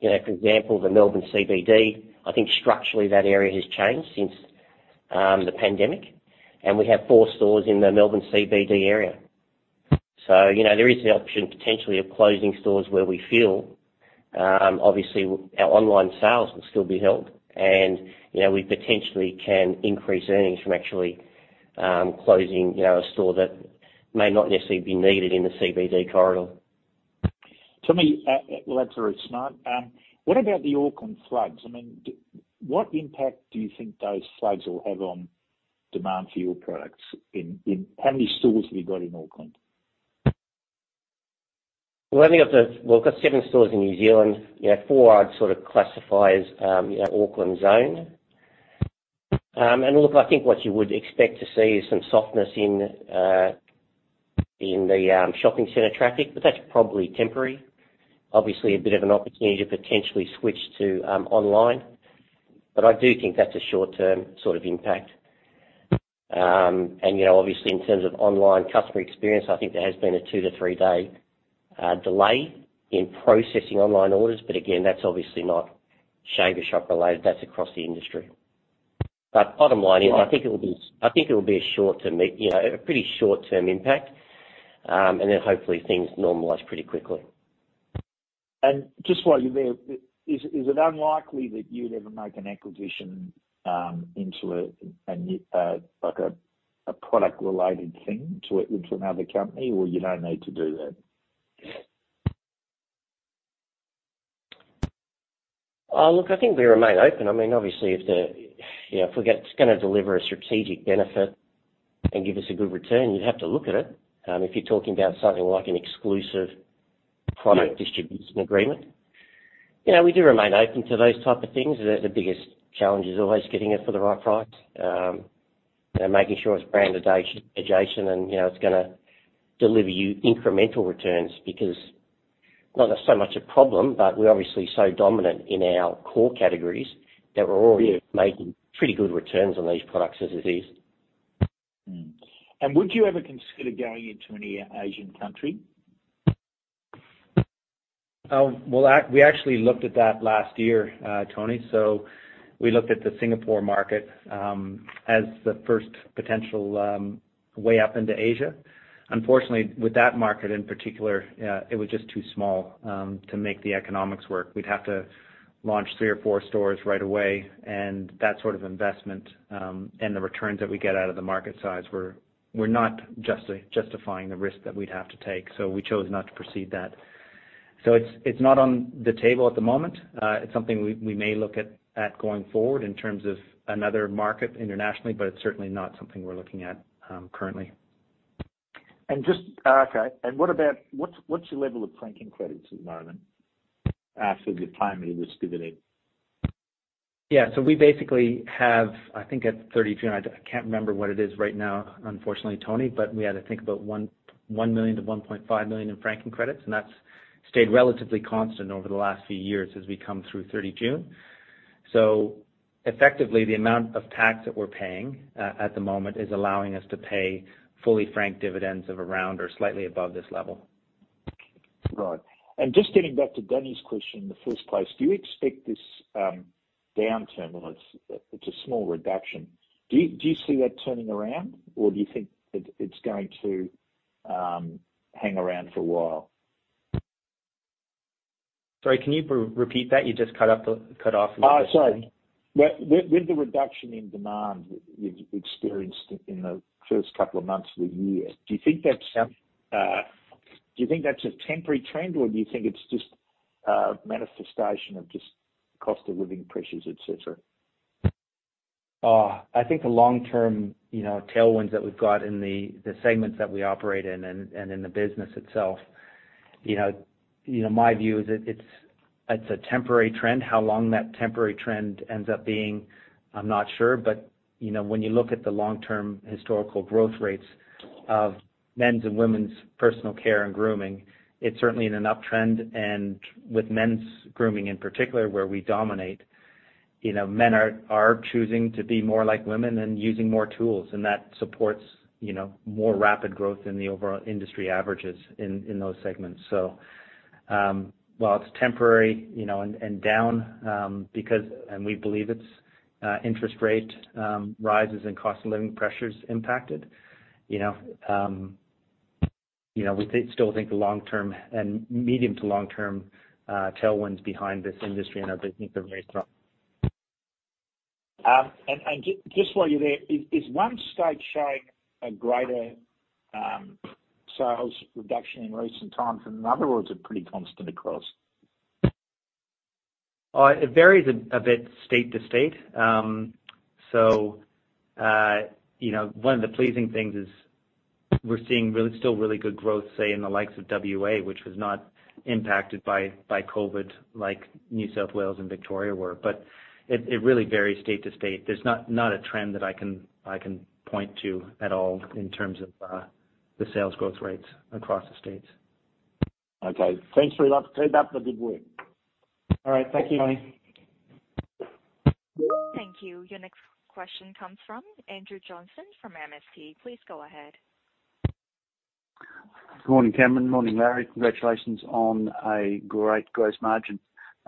You know, for example, the Melbourne CBD, I think structurally that area has changed since the pandemic. We have four stores in the Melbourne CBD area. You know, there is the option potentially of closing stores where we feel, obviously our online sales will still be held. You know, we potentially can increase earnings from actually closing, you know, a store that may not necessarily be needed in the CBD corridor. Tell me, well, that's very smart. What about the Auckland floods? I mean, what impact do you think those floods will have on demand for your products in how many stores have you got in Auckland? Well, I think we've got seven stores in New Zealand. Yeah, four I'd sort of classify as, you know, Auckland Zone. Look, I think what you would expect to see is some softness in the shopping center traffic, but that's probably temporary. Obviously, a bit of an opportunity to potentially switch to online. I do think that's a short-term sort of impact. You know, obviously in terms of online customer experience, I think there has been a two to three day delay in processing online orders. Again, that's obviously not Shaver Shop related. That's across the industry. Bottom line is. Right. I think it will be a short-term, you know, a pretty short-term impact, and then hopefully things normalize pretty quickly. Just while you're there, is it unlikely that you'd ever make an acquisition, into a product related thing to it, into another company, or you don't need to do that? Look, I think we remain open. I mean, obviously, if it's gonna deliver a strategic benefit and give us a good return, you'd have to look at it. If you're talking about something like an exclusive product distribution agreement. You know, we do remain open to those type of things. The biggest challenge is always getting it for the right price, and making sure it's brand adjacent and, you know, it's gonna deliver you incremental returns because not so much a problem, but we're obviously so dominant in our core categories that we're already making pretty good returns on these products as it is. Would you ever consider going into any Asian country? Well, we actually looked at that last year, Tony. We looked at the Singapore market, as the first potential way up into Asia. Unfortunately, with that market in particular, it was just too small to make the economics work. We'd have to launch three or four stores right away, and that sort of investment, and the returns that we get out of the market size were not justifying the risk that we'd have to take. We chose not to proceed that. It's not on the table at the moment. It's something we may look at going forward in terms of another market internationally, but it's certainly not something we're looking at currently. Okay. What's your level of franking credits at the moment after the time you distributed? Yeah. We basically have, I think, at 33. I can't remember what it is right now, unfortunately, Tony, we had, I think, about 1 million-1.5 million in franking credits, and that's stayed relatively constant over the last few years as we come through June 30. Effectively, the amount of tax that we're paying at the moment is allowing us to pay fully franked dividends of around or slightly above this level. Right. Just getting back to Danny's question in the first place, do you expect this downturn, well, it's a small reduction. Do you see that turning around, or do you think it's going to hang around for a while? Sorry, can you repeat that? You just cut off. Oh, sorry. With the reduction in demand you've experienced in the first couple of months of the year, do you think that's a temporary trend, or do you think it's just a manifestation of just cost of living pressures, et cetera? I think the long-term, you know, tailwinds that we've got in the segments that we operate in and in the business itself, you know, my view is it's a temporary trend. How long that temporary trend ends up being, I'm not sure. You know, when you look at the long-term historical growth rates of men's and women's personal care and grooming, it's certainly in an uptrend. With men's grooming, in particular, where we dominate. You know, men are choosing to be more like women and using more tools, and that supports, you know, more rapid growth in the overall industry averages in those segments. While it's temporary, you know, and down, and we believe it's interest rate rises and cost of living pressures impacted, you know, we still think the long-term and medium to long-term tailwinds behind this industry, and I think they're very strong. Just while you're there, is one state showing a greater sales reduction in recent times, or in other words are pretty constant across? It varies a bit state to state. You know, one of the pleasing things is we're seeing still really good growth, say, in the likes of WA, which was not impacted by COVID like New South Wales and Victoria were. It really varies state to state. There's not a trend that I can point to at all in terms of the sales growth rates across the states. Okay. Thanks very lot. Keep up the good work. All right. Thank you, Johnny. Thank you. Your next question comes from Andrew Johnston from MST. Please go ahead. Morning, Cameron. Morning, Larry. Congratulations on a great gross margin.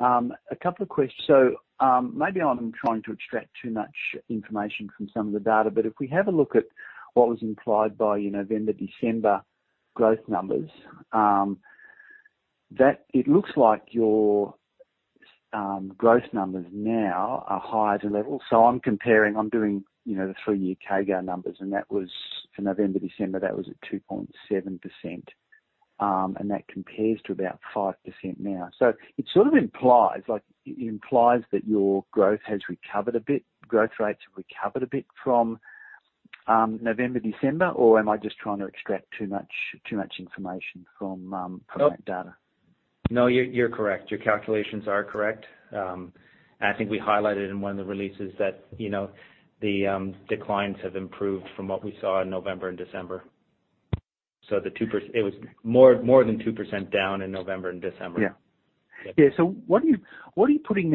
A couple of questions. Maybe I'm trying to extract too much information from some of the data, but if we have a look at what was implied by November, December growth numbers, that it looks like your growth numbers now are higher to level. I'm comparing, I'm doing, you know, the three-year CAGR numbers, and that was for November, December, that was at 2.7%, and that compares to about 5% now. It sort of implies like implies that your growth has recovered a bit. Growth rates have recovered a bit from November, December, or am I just trying to extract too much information from that data? You're correct. Your calculations are correct. I think we highlighted in one of the releases that, you know, the declines have improved from what we saw in November and December. It was more than 2% down in November and December. Yeah. Yeah. Yeah. What are you putting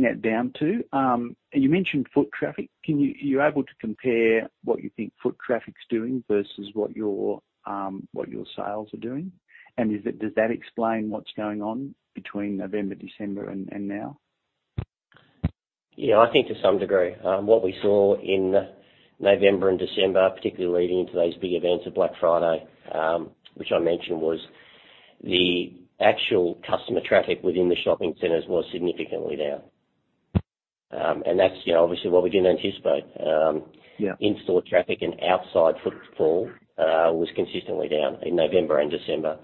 that down to? You mentioned foot traffic. Are you able to compare what you think foot traffic's doing versus what your sales are doing? Does that explain what's going on between November, December and now? Yeah, I think to some degree. What we saw in November and December, particularly leading into those big events of Black Friday, which I mentioned, was the actual customer traffic within the shopping centers was significantly down. That's, you know, obviously what we didn't anticipate. Yeah. In-store traffic and outside footfall was consistently down in November and December.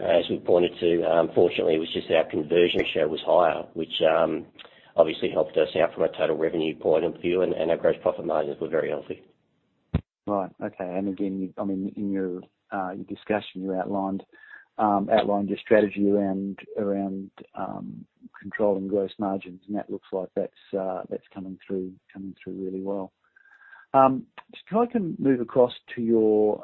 As we pointed to, fortunately, it was just our conversion share was higher, which obviously helped us out from a total revenue point of view, and our gross profit margins were very healthy. Right. Okay. Again, I mean, in your discussion, you outlined your strategy around controlling gross margins, and that looks like that's coming through really well. Just try to move across to your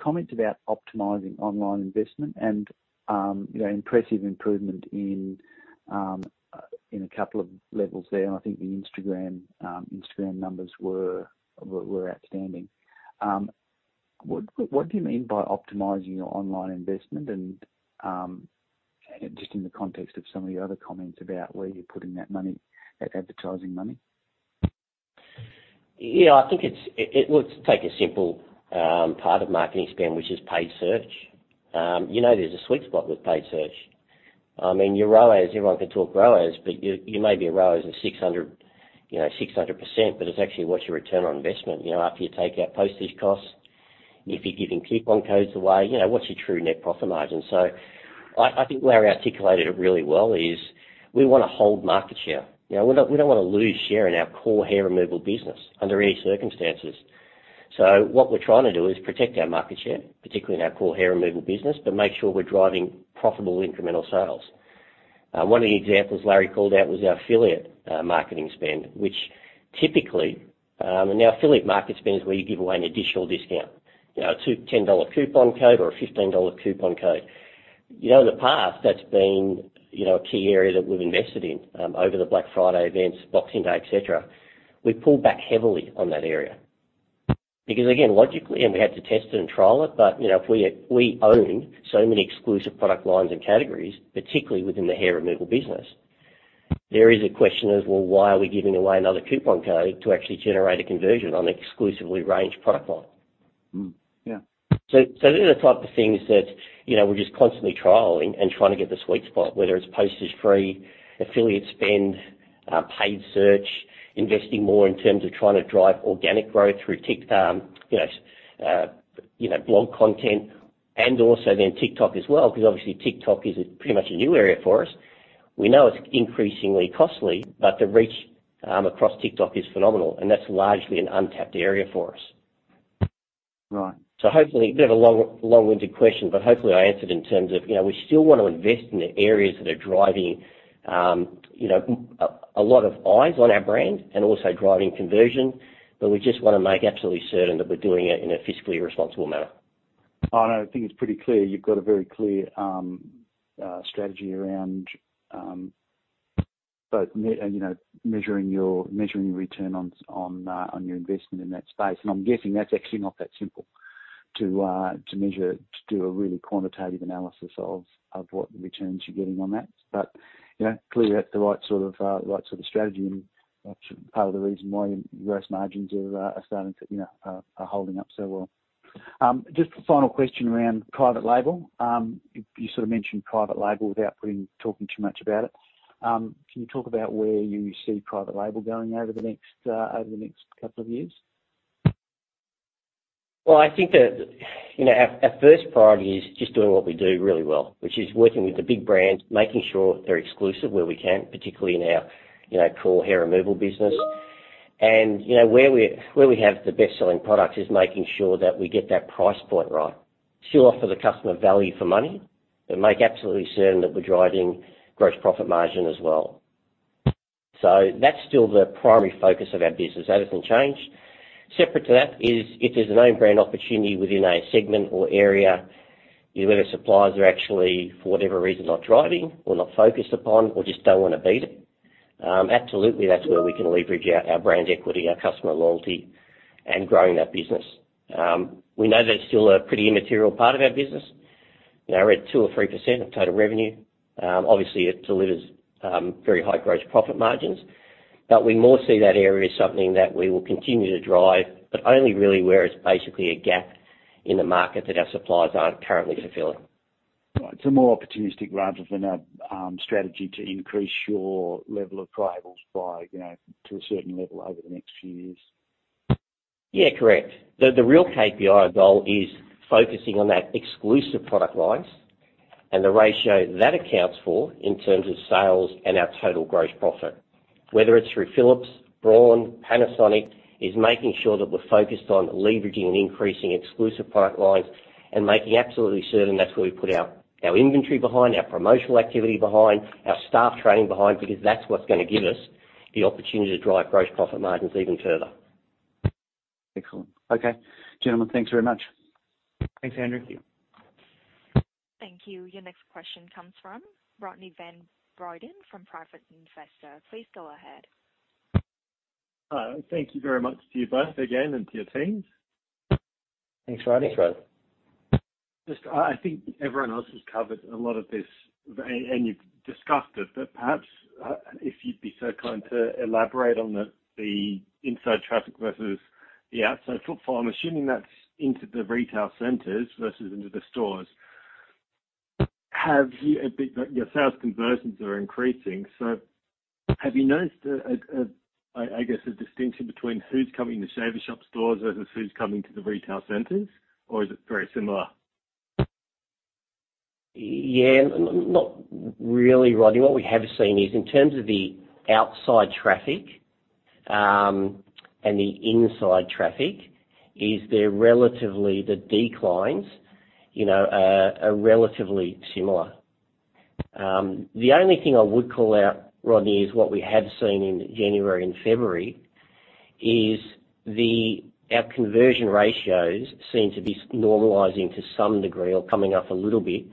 comments about optimizing online investment and, you know, impressive improvement in a couple of levels there. I think the Instagram numbers were outstanding. What do you mean by optimizing your online investment and just in the context of some of your other comments about where you're putting that money, that advertising money? Yeah, I think let's take a simple part of marketing spend, which is paid search. You know, there's a sweet spot with paid search. I mean, your ROAS, everyone can talk ROAS, but you may be a ROAS of 600%, you know, 600%, but it's actually what's your return on investment, you know, after you take out postage costs, if you're giving coupon codes away, you know, what's your true net profit margin? I think Larry articulated it really well, is we wanna hold market share. You know, we don't wanna lose share in our core hair removal business under any circumstances. What we're trying to do is protect our market share, particularly in our core hair removal business, but make sure we're driving profitable incremental sales. One of the examples Larry called out was our affiliate marketing spend, which typically, and our affiliate market spend is where you give away an additional discount. You know, a 10 dollar coupon code or a 15 dollar coupon code. You know, in the past that's been, you know, a key area that we've invested in over the Black Friday events, Boxing Day, et cetera. We pulled back heavily on that area. Again, logically, we had to test it and trial it, you know, if we own so many exclusive product lines and categories, particularly within the hair removal business, there is a question as, well, why are we giving away another coupon code to actually generate a conversion on an exclusively ranged product line? Mm-hmm. Yeah. These are the type of things that, you know, we're just constantly trialing and trying to get the sweet spot, whether it's postage free, affiliate spend, paid search, investing more in terms of trying to drive organic growth through TikTok, you know, blog content and also then TikTok as well, 'cause obviously TikTok is a pretty much a new area for us. We know it's increasingly costly, but the reach across TikTok is phenomenal, and that's largely an untapped area for us. Right. Hopefully. Bit of a long, long-winded question, but hopefully I answered in terms of, you know, we still wanna invest in the areas that are driving, you know, a lot of eyes on our brand and also driving conversion, but we just wanna make absolutely certain that we're doing it in a fiscally responsible manner. Oh, no, I think it's pretty clear. You've got a very clear strategy around You know, measuring your return on your investment in that space. I'm guessing that's actually not that simple to measure, to do a really quantitative analysis of what returns you're getting on that. You know, clearly that's the right sort of strategy and part of the reason why your gross margins are starting to, you know, are holding up so well. Just a final question around private label. You sort of mentioned private label without talking too much about it. Can you talk about where you see private label going over the next couple of years? I think that, you know, our first priority is just doing what we do really well, which is working with the big brands, making sure they're exclusive where we can, particularly in our, you know, core hair removal business. You know, where we have the best-selling products is making sure that we get that price point right. Still offer the customer value for money, but make absolutely certain that we're driving gross profit margin as well. That's still the primary focus of our business. That hasn't changed. Separate to that is if there's an own brand opportunity within a segment or area where the suppliers are actually, for whatever reason, not driving or not focused upon or just don't wanna beat it, absolutely that's where we can leverage our brand equity, our customer loyalty, and growing that business. We know that it's still a pretty immaterial part of our business. You know, we're at 2% or 3% of total revenue. Obviously, it delivers very high gross profit margins. We more see that area as something that we will continue to drive, but only really where it's basically a gap in the market that our suppliers aren't currently fulfilling. Right. More opportunistic rather than a strategy to increase your level of privates by, you know, to a certain level over the next few years. Yeah, correct. The real KPI goal is focusing on that exclusive product lines and the ratio that accounts for in terms of sales and our total gross profit. Whether it's through Philips, Braun, Panasonic, is making sure that we're focused on leveraging and increasing exclusive product lines and making absolutely certain that's where we put our inventory behind, our promotional activity behind, our staff training behind, because that's what's gonna give us the opportunity to drive gross profit margins even further. Excellent. Okay. Gentlemen, thanks very much. Thanks, Andrew. Thank you. Thank you. Your next question comes from Rodney Van Broiden from Private Investor. Please go ahead. Hi. Thank you very much to you both again and to your teams. Thanks, Rodney. Thanks, Rod. Just, I think everyone else has covered a lot of this and you've discussed it, but perhaps, if you'd be so kind to elaborate on the inside traffic versus the outside footfall. I'm assuming that's into the retail centers versus into the stores. Your sales conversions are increasing, have you noticed a guess a distinction between who's coming to Shaver Shop stores versus who's coming to the retail centers, or is it very similar? Yeah. Not really, Rodney. What we have seen is in terms of the outside traffic, and the inside traffic is they're relatively the declines, you know, are relatively similar. The only thing I would call out, Rodney, is what we have seen in January and February is our conversion ratios seem to be normalizing to some degree or coming up a little bit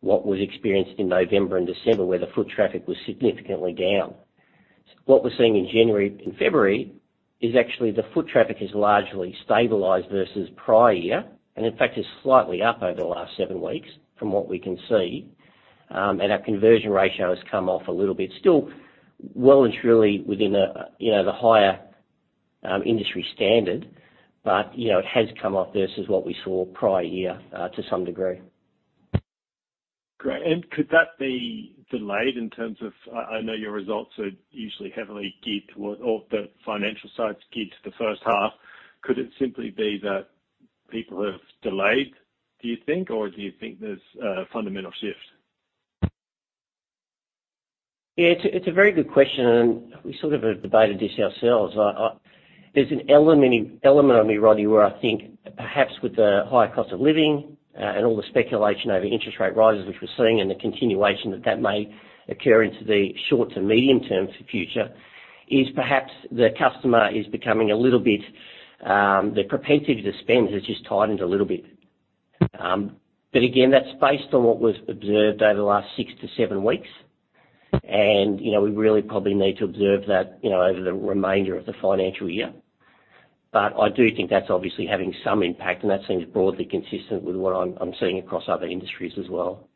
what was experienced in November and December, where the foot traffic was significantly down. What we're seeing in January and February is actually the foot traffic has largely stabilized versus prior year, and in fact is slightly up over the last seven weeks from what we can see, and our conversion ratio has come off a little bit. Still well and truly within a, you know, the higher industry standard, but, you know, it has come off versus what we saw prior year to some degree. Great. Could that be delayed in terms of... I know your results are usually heavily geared toward or the financial side's geared to the first half. Could it simply be that people have delayed, do you think? Do you think there's a fundamental shift? Yeah. It's a very good question, and we sort of have debated this ourselves. There's an element in me, Rodney, where I think perhaps with the higher cost of living, and all the speculation over interest rate rises which we're seeing and the continuation that that may occur into the short to medium term for future, is perhaps the customer is becoming a little bit, their propensity to spend has just tightened a little bit. Again, that's based on what was observed over the last six to seven weeks. You know, we really probably need to observe that, you know, over the remainder of the financial year. I do think that's obviously having some impact, and that seems broadly consistent with what I'm seeing across other industries as well.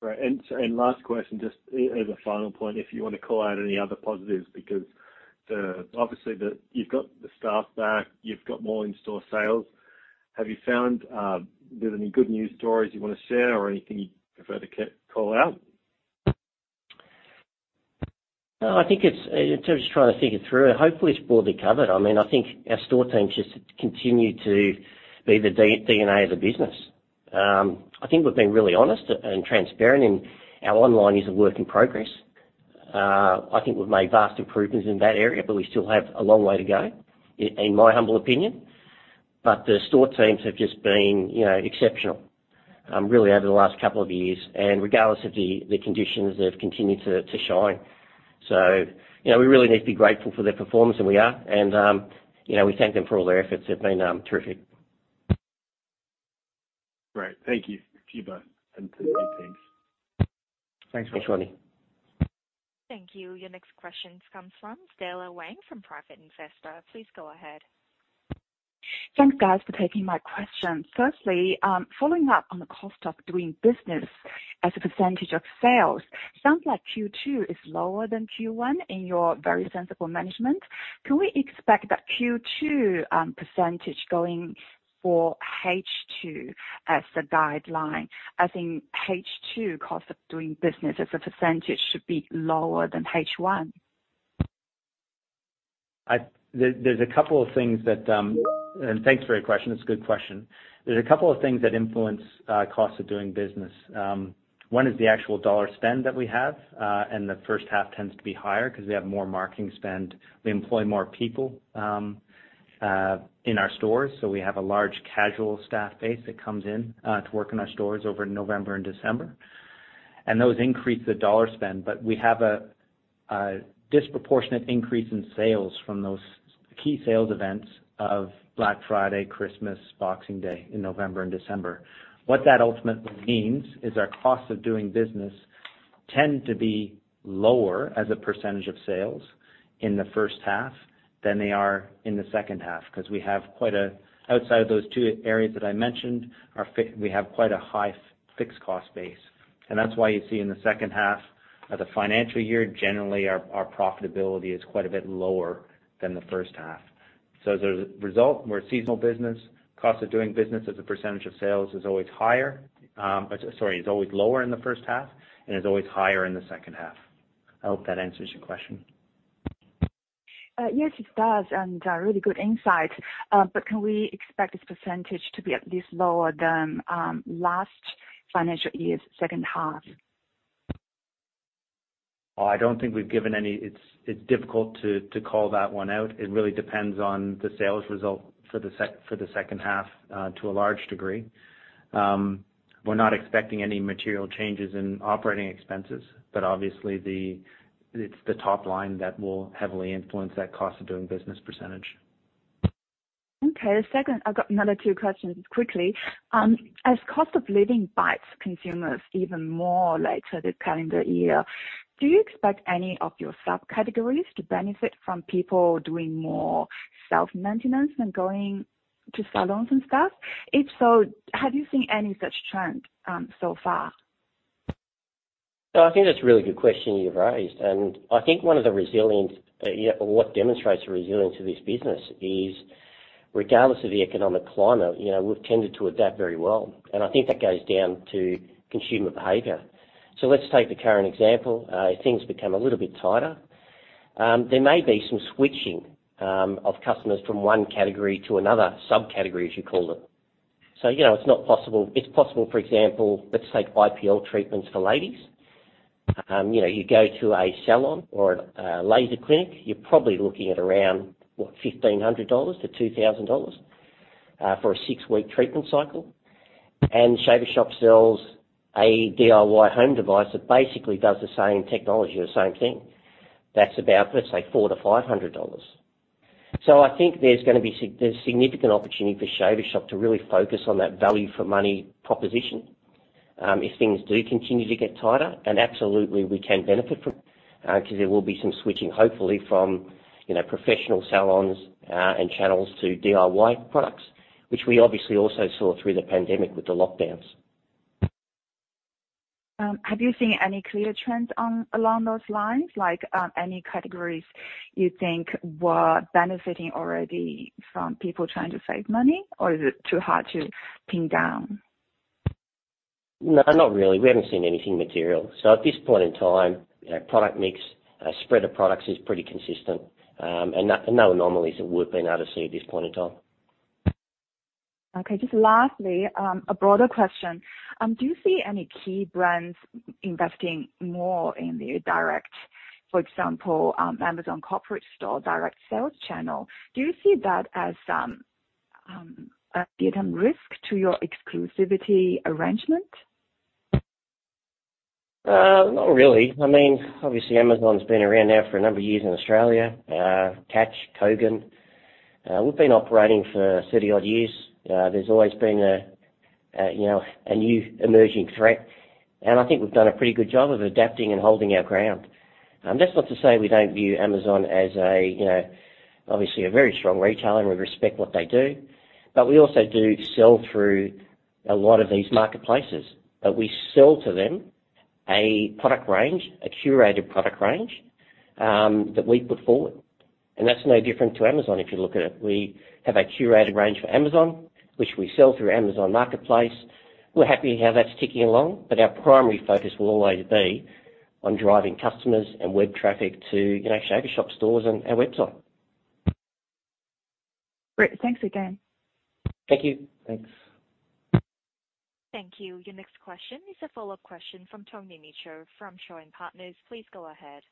Great. Last question, just as a final point, if you wanna call out any other positives, because obviously the you've got the staff back, you've got more in-store sales, have you found there's any good news stories you wanna share or anything you'd prefer to call out? I think it's in terms of trying to think it through, hopefully it's broadly covered. I mean, I think our store teams just continue to be the DNA of the business. I think we've been really honest and transparent. Our online is a work in progress. I think we've made vast improvements in that area, but we still have a long way to go in my humble opinion. The store teams have just been, you know, exceptional. Really over the last two years, regardless of the conditions, they've continued to shine. You know, we really need to be grateful for their performance, and we are. You know, we thank them for all their efforts. They've been terrific. Great. Thank you, Cameron, and to you, Larry. Thanks, Rodney. Thank you. Your next question comes from Stella Wang from Private Investor. Please go ahead. Thanks, guys, for taking my question. Firstly, following up on the cost of doing business as a % of sales, it sounds like Q2 is lower than Q1 in your very sensible management. Can we expect that Q2 % going for H2 as the guideline? I think H2 cost of doing business as a percentage should be lower than H1. There, there's a couple of things that. Thanks for your question. It's a good question. There's a couple of things that influence cost of doing business. One is the actual dollar spend that we have, and the first half tends to be higher 'cause we have more marketing spend. We employ more people in our stores, so we have a large casual staff base that comes in to work in our stores over November and December. Those increase the dollar spend, but we have a disproportionate increase in sales from those key sales events of Black Friday, Christmas, Boxing Day in November and December. What that ultimately means is our cost of doing business tend to be lower as a percentage of sales in the first half than they are in the second half, 'cause we have quite, outside of those two areas that I mentioned, we have quite a high fixed cost base. That's why you see in the second half of the financial year, generally our profitability is quite a bit lower than the first half. As a result, we're a seasonal business. Cost of doing business as a percentage of sales is always higher, sorry, is always lower in the first half and is always higher in the second half. I hope that answers your question. Yes, it does, and, really good insight. Can we expect this percentage to be at least lower than, last financial year's second half? I don't think we've given any... It's difficult to call that one out. It really depends on the sales result for the second half to a large degree. We're not expecting any material changes in operating expenses, but obviously it's the top line that will heavily influence that cost of doing business percentage. Okay. Second, I've got another two questions quickly. As cost of living bites consumers even more later this calendar year, do you expect any of your subcategories to benefit from people doing more self-maintenance than going to salons and stuff? If so, have you seen any such trend so far? I think that's a really good question you've raised. I think one of the resilience, you know, what demonstrates the resilience of this business is regardless of the economic climate, you know, we've tended to adapt very well. I think that goes down to consumer behavior. Let's take the current example. Things become a little bit tighter. There may be some switching of customers from one category to another subcategory, as you call them. You know, it's possible, for example, let's take IPL treatments for ladies. You know, you go to a salon or a laser clinic, you're probably looking at around, what, 1,500-2,000 dollars for a six-week treatment cycle. The Shaver Shop sells a DIY home device that basically does the same technology or same thing. That's about, let's say, 400-500 dollars. I think there's gonna be significant opportunity for Shaver Shop to really focus on that value for money proposition if things do continue to get tighter. Absolutely, we can benefit from 'cause there will be some switching, hopefully from, you know, professional salons and channels to DIY products, which we obviously also saw through the pandemic with the lockdowns. Have you seen any clear trends on along those lines, like, any categories you think were benefiting already from people trying to save money, or is it too hard to pin down? No, not really. We haven't seen anything material. At this point in time, you know, product mix, spread of products is pretty consistent, and no anomalies that we've been able to see at this point in time. Okay. Just lastly, a broader question. Do you see any key brands investing more in the direct, for example, Amazon corporate store direct sales channel? Do you see that as a hidden risk to your exclusivity arrangement? Not really. I mean, obviously Amazon's been around now for a number of years in Australia, Catch, Kogan. We've been operating for 30-odd years. There's always been a, you know, a new emerging threat. I think we've done a pretty good job of adapting and holding our ground. That's not to say we don't view Amazon as a, you know, obviously a very strong retailer, and we respect what they do. We also do sell through a lot of these marketplaces. We sell to them a product range, a curated product range that we put forward. That's no different to Amazon, if you look at it. We have a curated range for Amazon, which we sell through Amazon Marketplace. We're happy how that's ticking along, but our primary focus will always be on driving customers and web traffic to, you know, Shaver Shop stores and our website. Great. Thanks again. Thank you. Thanks. Thank you. Your next question is a follow-up question from Tony Mitchell from Shaw and Partners. Please go ahead.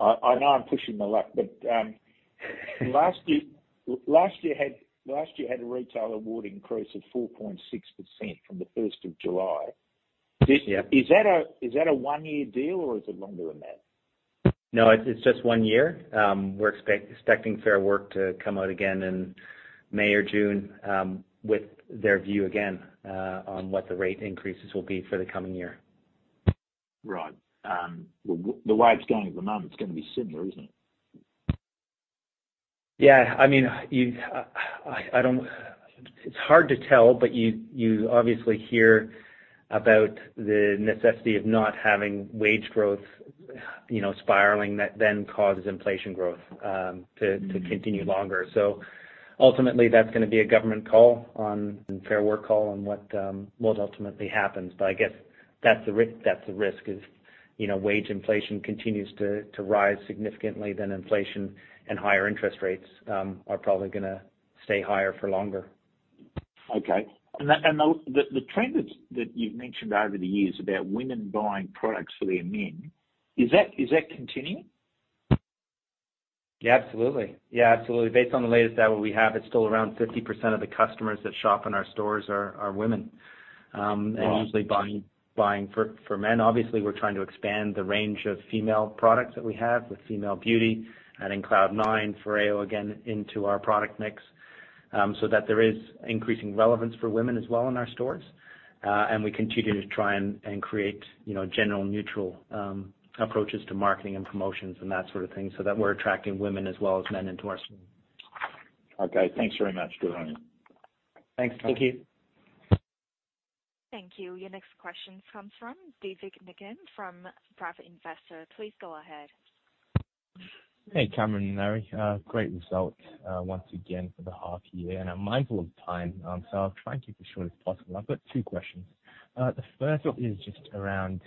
I know I'm pushing my luck. Last year had a retail award increase of 4.6% from the 1st of July. Yeah. Is that a one-year deal or is it longer than that? No, it's just one year. We're expecting Fair Work to come out again in May or June, with their view again, on what the rate increases will be for the coming year. Right. The way it's going at the moment, it's gonna be similar, isn't it? Yeah. I mean, it's hard to tell, but you obviously hear about the necessity of not having wage growth, you know, spiraling that then causes inflation growth. Mm-hmm. continue longer. Ultimately, that's gonna be a government call on Fair Work call on what ultimately happens. I guess that's the risk is, you know, wage inflation continues to rise significantly than inflation and higher interest rates are probably gonna stay higher for longer. Okay. The trend that you've mentioned over the years about women buying products for their men, is that continuing? Yeah, absolutely. Yeah, absolutely. Based on the latest data we have, it's still around 50% of the customers that shop in our stores are women. Wow. Usually buying for men. Obviously, we're trying to expand the range of female products that we have with female beauty, adding CLOUD NINE, FOREO, again, into our product mix, so that there is increasing relevance for women as well in our stores. We continue to try and create, you know, general neutral approaches to marketing and promotions and that sort of thing, so that we're attracting women as well as men into our stores. Okay. Thanks very much for running it. Thanks. Thank you. Thank you. Your next question comes from Divik Nigam, from Private Investor. Please go ahead. Hey, Cameron and Larry. Great result, once again for the half year. I'm mindful of time, so I'll try and keep it short as possible. I've got two questions. The first one is just around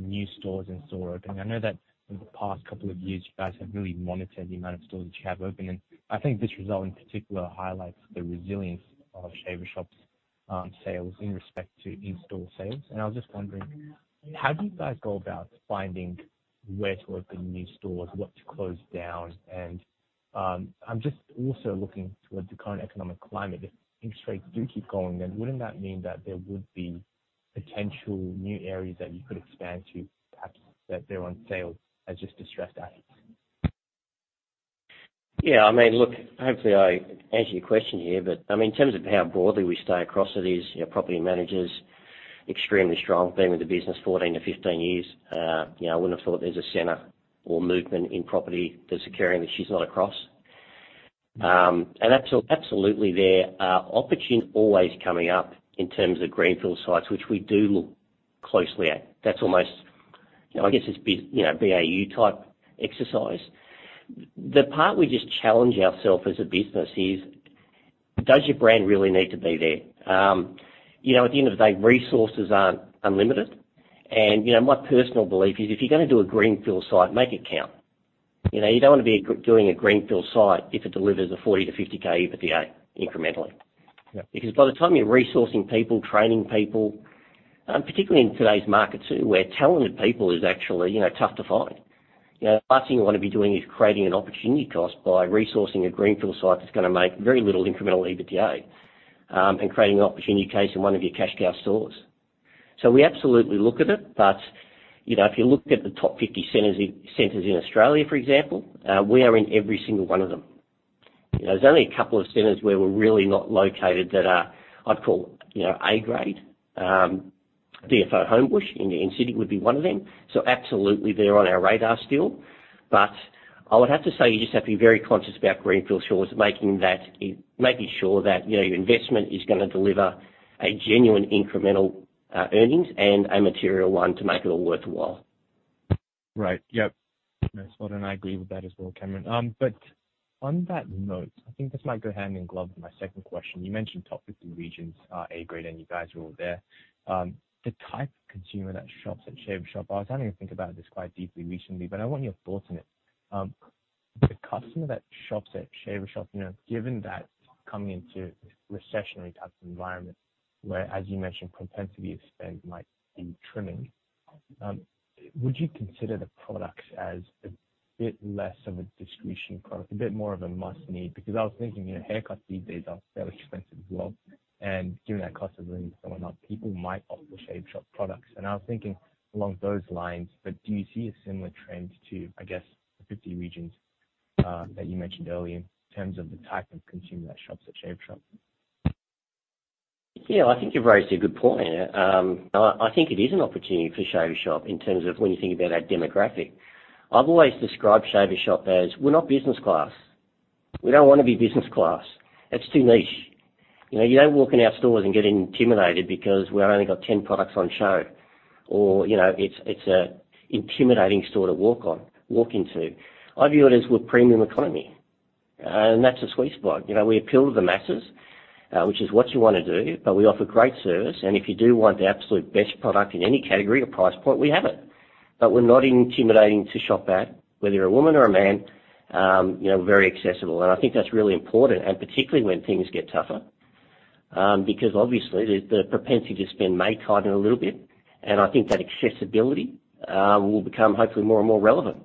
new stores and store opening. I know that in the past couple of years, you guys have really monitored the amount of stores that you have open. I think this result in particular highlights the resilience of Shaver Shop's sales in respect to in-store sales. I was just wondering, how do you guys go about finding where to open new stores, what to close down? I'm just also looking towards the current economic climate. If interest rates do keep going, wouldn't that mean that there would be potential new areas that you could expand to, perhaps that they're on sale as just distressed assets? Yeah. I mean, look, hopefully I answer your question here. I mean, in terms of how broadly we stay across it is, you know, property manager's extremely strong. Been with the business 14 to 15 years. You know, I wouldn't have thought there's a center or movement in property that's occurring that she's not across. Absolutely, there are opportune always coming up in terms of greenfield sites, which we do look closely at. You know, I guess it's, you know, BAU type exercise. The part we just challenge ourselves as a business is, does your brand really need to be there? You know, at the end of the day, resources aren't unlimited. You know, my personal belief is if you're gonna do a greenfield site, make it count. You know, you don't wanna be doing a greenfield site if it delivers a 40,000-50,000 EBITDA incrementally. Yeah. By the time you're resourcing people, training people, particularly in today's market too, where talented people is actually, you know, tough to find. The last thing you wanna be doing is creating an opportunity cost by resourcing a greenfield site that's gonna make very little incremental EBITDA, and creating an opportunity case in one of your cash cow stores. We absolutely look at it. You know, if you look at the top 50 centers in Australia, for example, we are in every single one of them. There's only a couple of centers where we're really not located that are, I'd call, you know, A grade. DFO Homebush in the inner city would be one of them. Absolutely they're on our radar still. I would have to say you just have to be very conscious about greenfield stores, making sure that, you know, your investment is gonna deliver a genuine incremental earnings and a material one to make it all worthwhile. Right. Yep. No, spot on. I agree with that as well, Cameron. On that note, I think this might go hand in glove with my second question. You mentioned top 50 regions are A grade and you guys are all there. The type of consumer that shops at Shaver Shop, I was having to think about this quite deeply recently, but I want your thoughts on it. The customer that shops at Shaver Shop, you know, given that coming into recessionary types of environment where, as you mentioned, propensity to spend might be trimming, would you consider the products as a bit less of a discretion product, a bit more of a must need? Because I was thinking, you know, haircuts these days are fairly expensive as well. Given that cost of living is going up, people might opt for Shaver Shop products. I was thinking along those lines. Do you see a similar trend to, I guess, the 50 regions that you mentioned earlier in terms of the type of consumer that shops at Shaver Shop? Yeah, I think you've raised a good point. I think it is an opportunity for Shaver Shop in terms of when you think about our demographic. I've always described Shaver Shop as, we're not business class. We don't wanna be business class. It's too niche. You know, you don't walk in our stores and get intimidated because we only got 10 products on show or, you know, it's a intimidating store to walk into. I view it as with premium economy, and that's a sweet spot. You know, we appeal to the masses, which is what you wanna do, but we offer great service. If you do want the absolute best product in any category or price point, we have it. We're not intimidating to shop at, whether you're a woman or a man, you know, very accessible. I think that's really important. Particularly when things get tougher. Because obviously the propensity to spend may tighten a little bit, and I think that accessibility will become hopefully more and more relevant.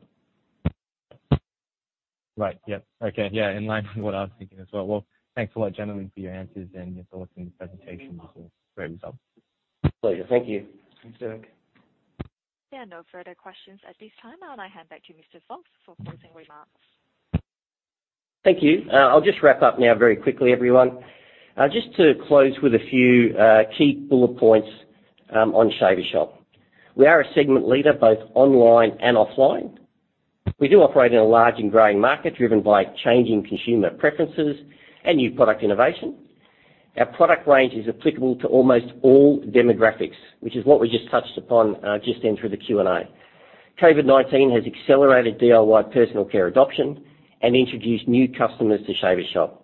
Right. Yep. Okay. Yeah. In line with what I was thinking as well. Thanks a lot, gentlemen, for your answers and your thoughts and presentations. Great results. Pleasure. Thank you. Thanks, Divik. There are no further questions at this time. Now I hand back to Mr. Fox for closing remarks. Thank you. I'll just wrap up now very quickly, everyone. Just to close with a few key bullet points on Shaver Shop. We are a segment leader, both online and offline. We do operate in a large and growing market driven by changing consumer preferences and new product innovation. Our product range is applicable to almost all demographics, which is what we just touched upon just then through the Q&A. COVID-19 has accelerated DIY personal care adoption and introduced new customers to Shaver Shop.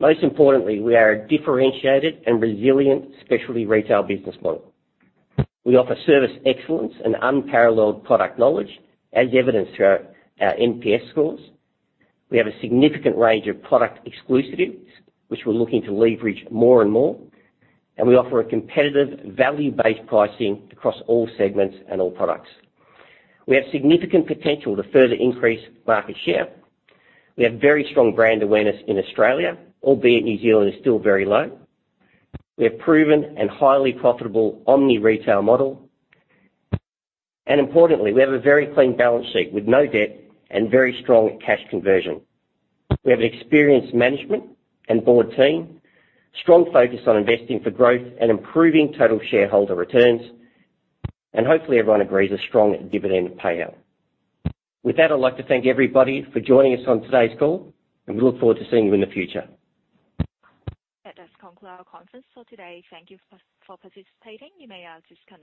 Most importantly, we are a differentiated and resilient specialty retail business model. We offer service excellence and unparalleled product knowledge, as evidenced through our NPS scores. We have a significant range of product exclusives, which we're looking to leverage more and more, and we offer a competitive value-based pricing across all segments and all products. We have significant potential to further increase market share. We have very strong brand awareness in Australia, albeit New Zealand is still very low. We have proven and highly profitable omni-retail model. Importantly, we have a very clean balance sheet with no debt and very strong cash conversion. We have an experienced management and board team, strong focus on investing for growth and improving total shareholder returns. Hopefully everyone agrees, a strong dividend payout. With that, I'd like to thank everybody for joining us on today's call. We look forward to seeing you in the future. That does conclude our conference call today. Thank you for participating. You may now disconnect.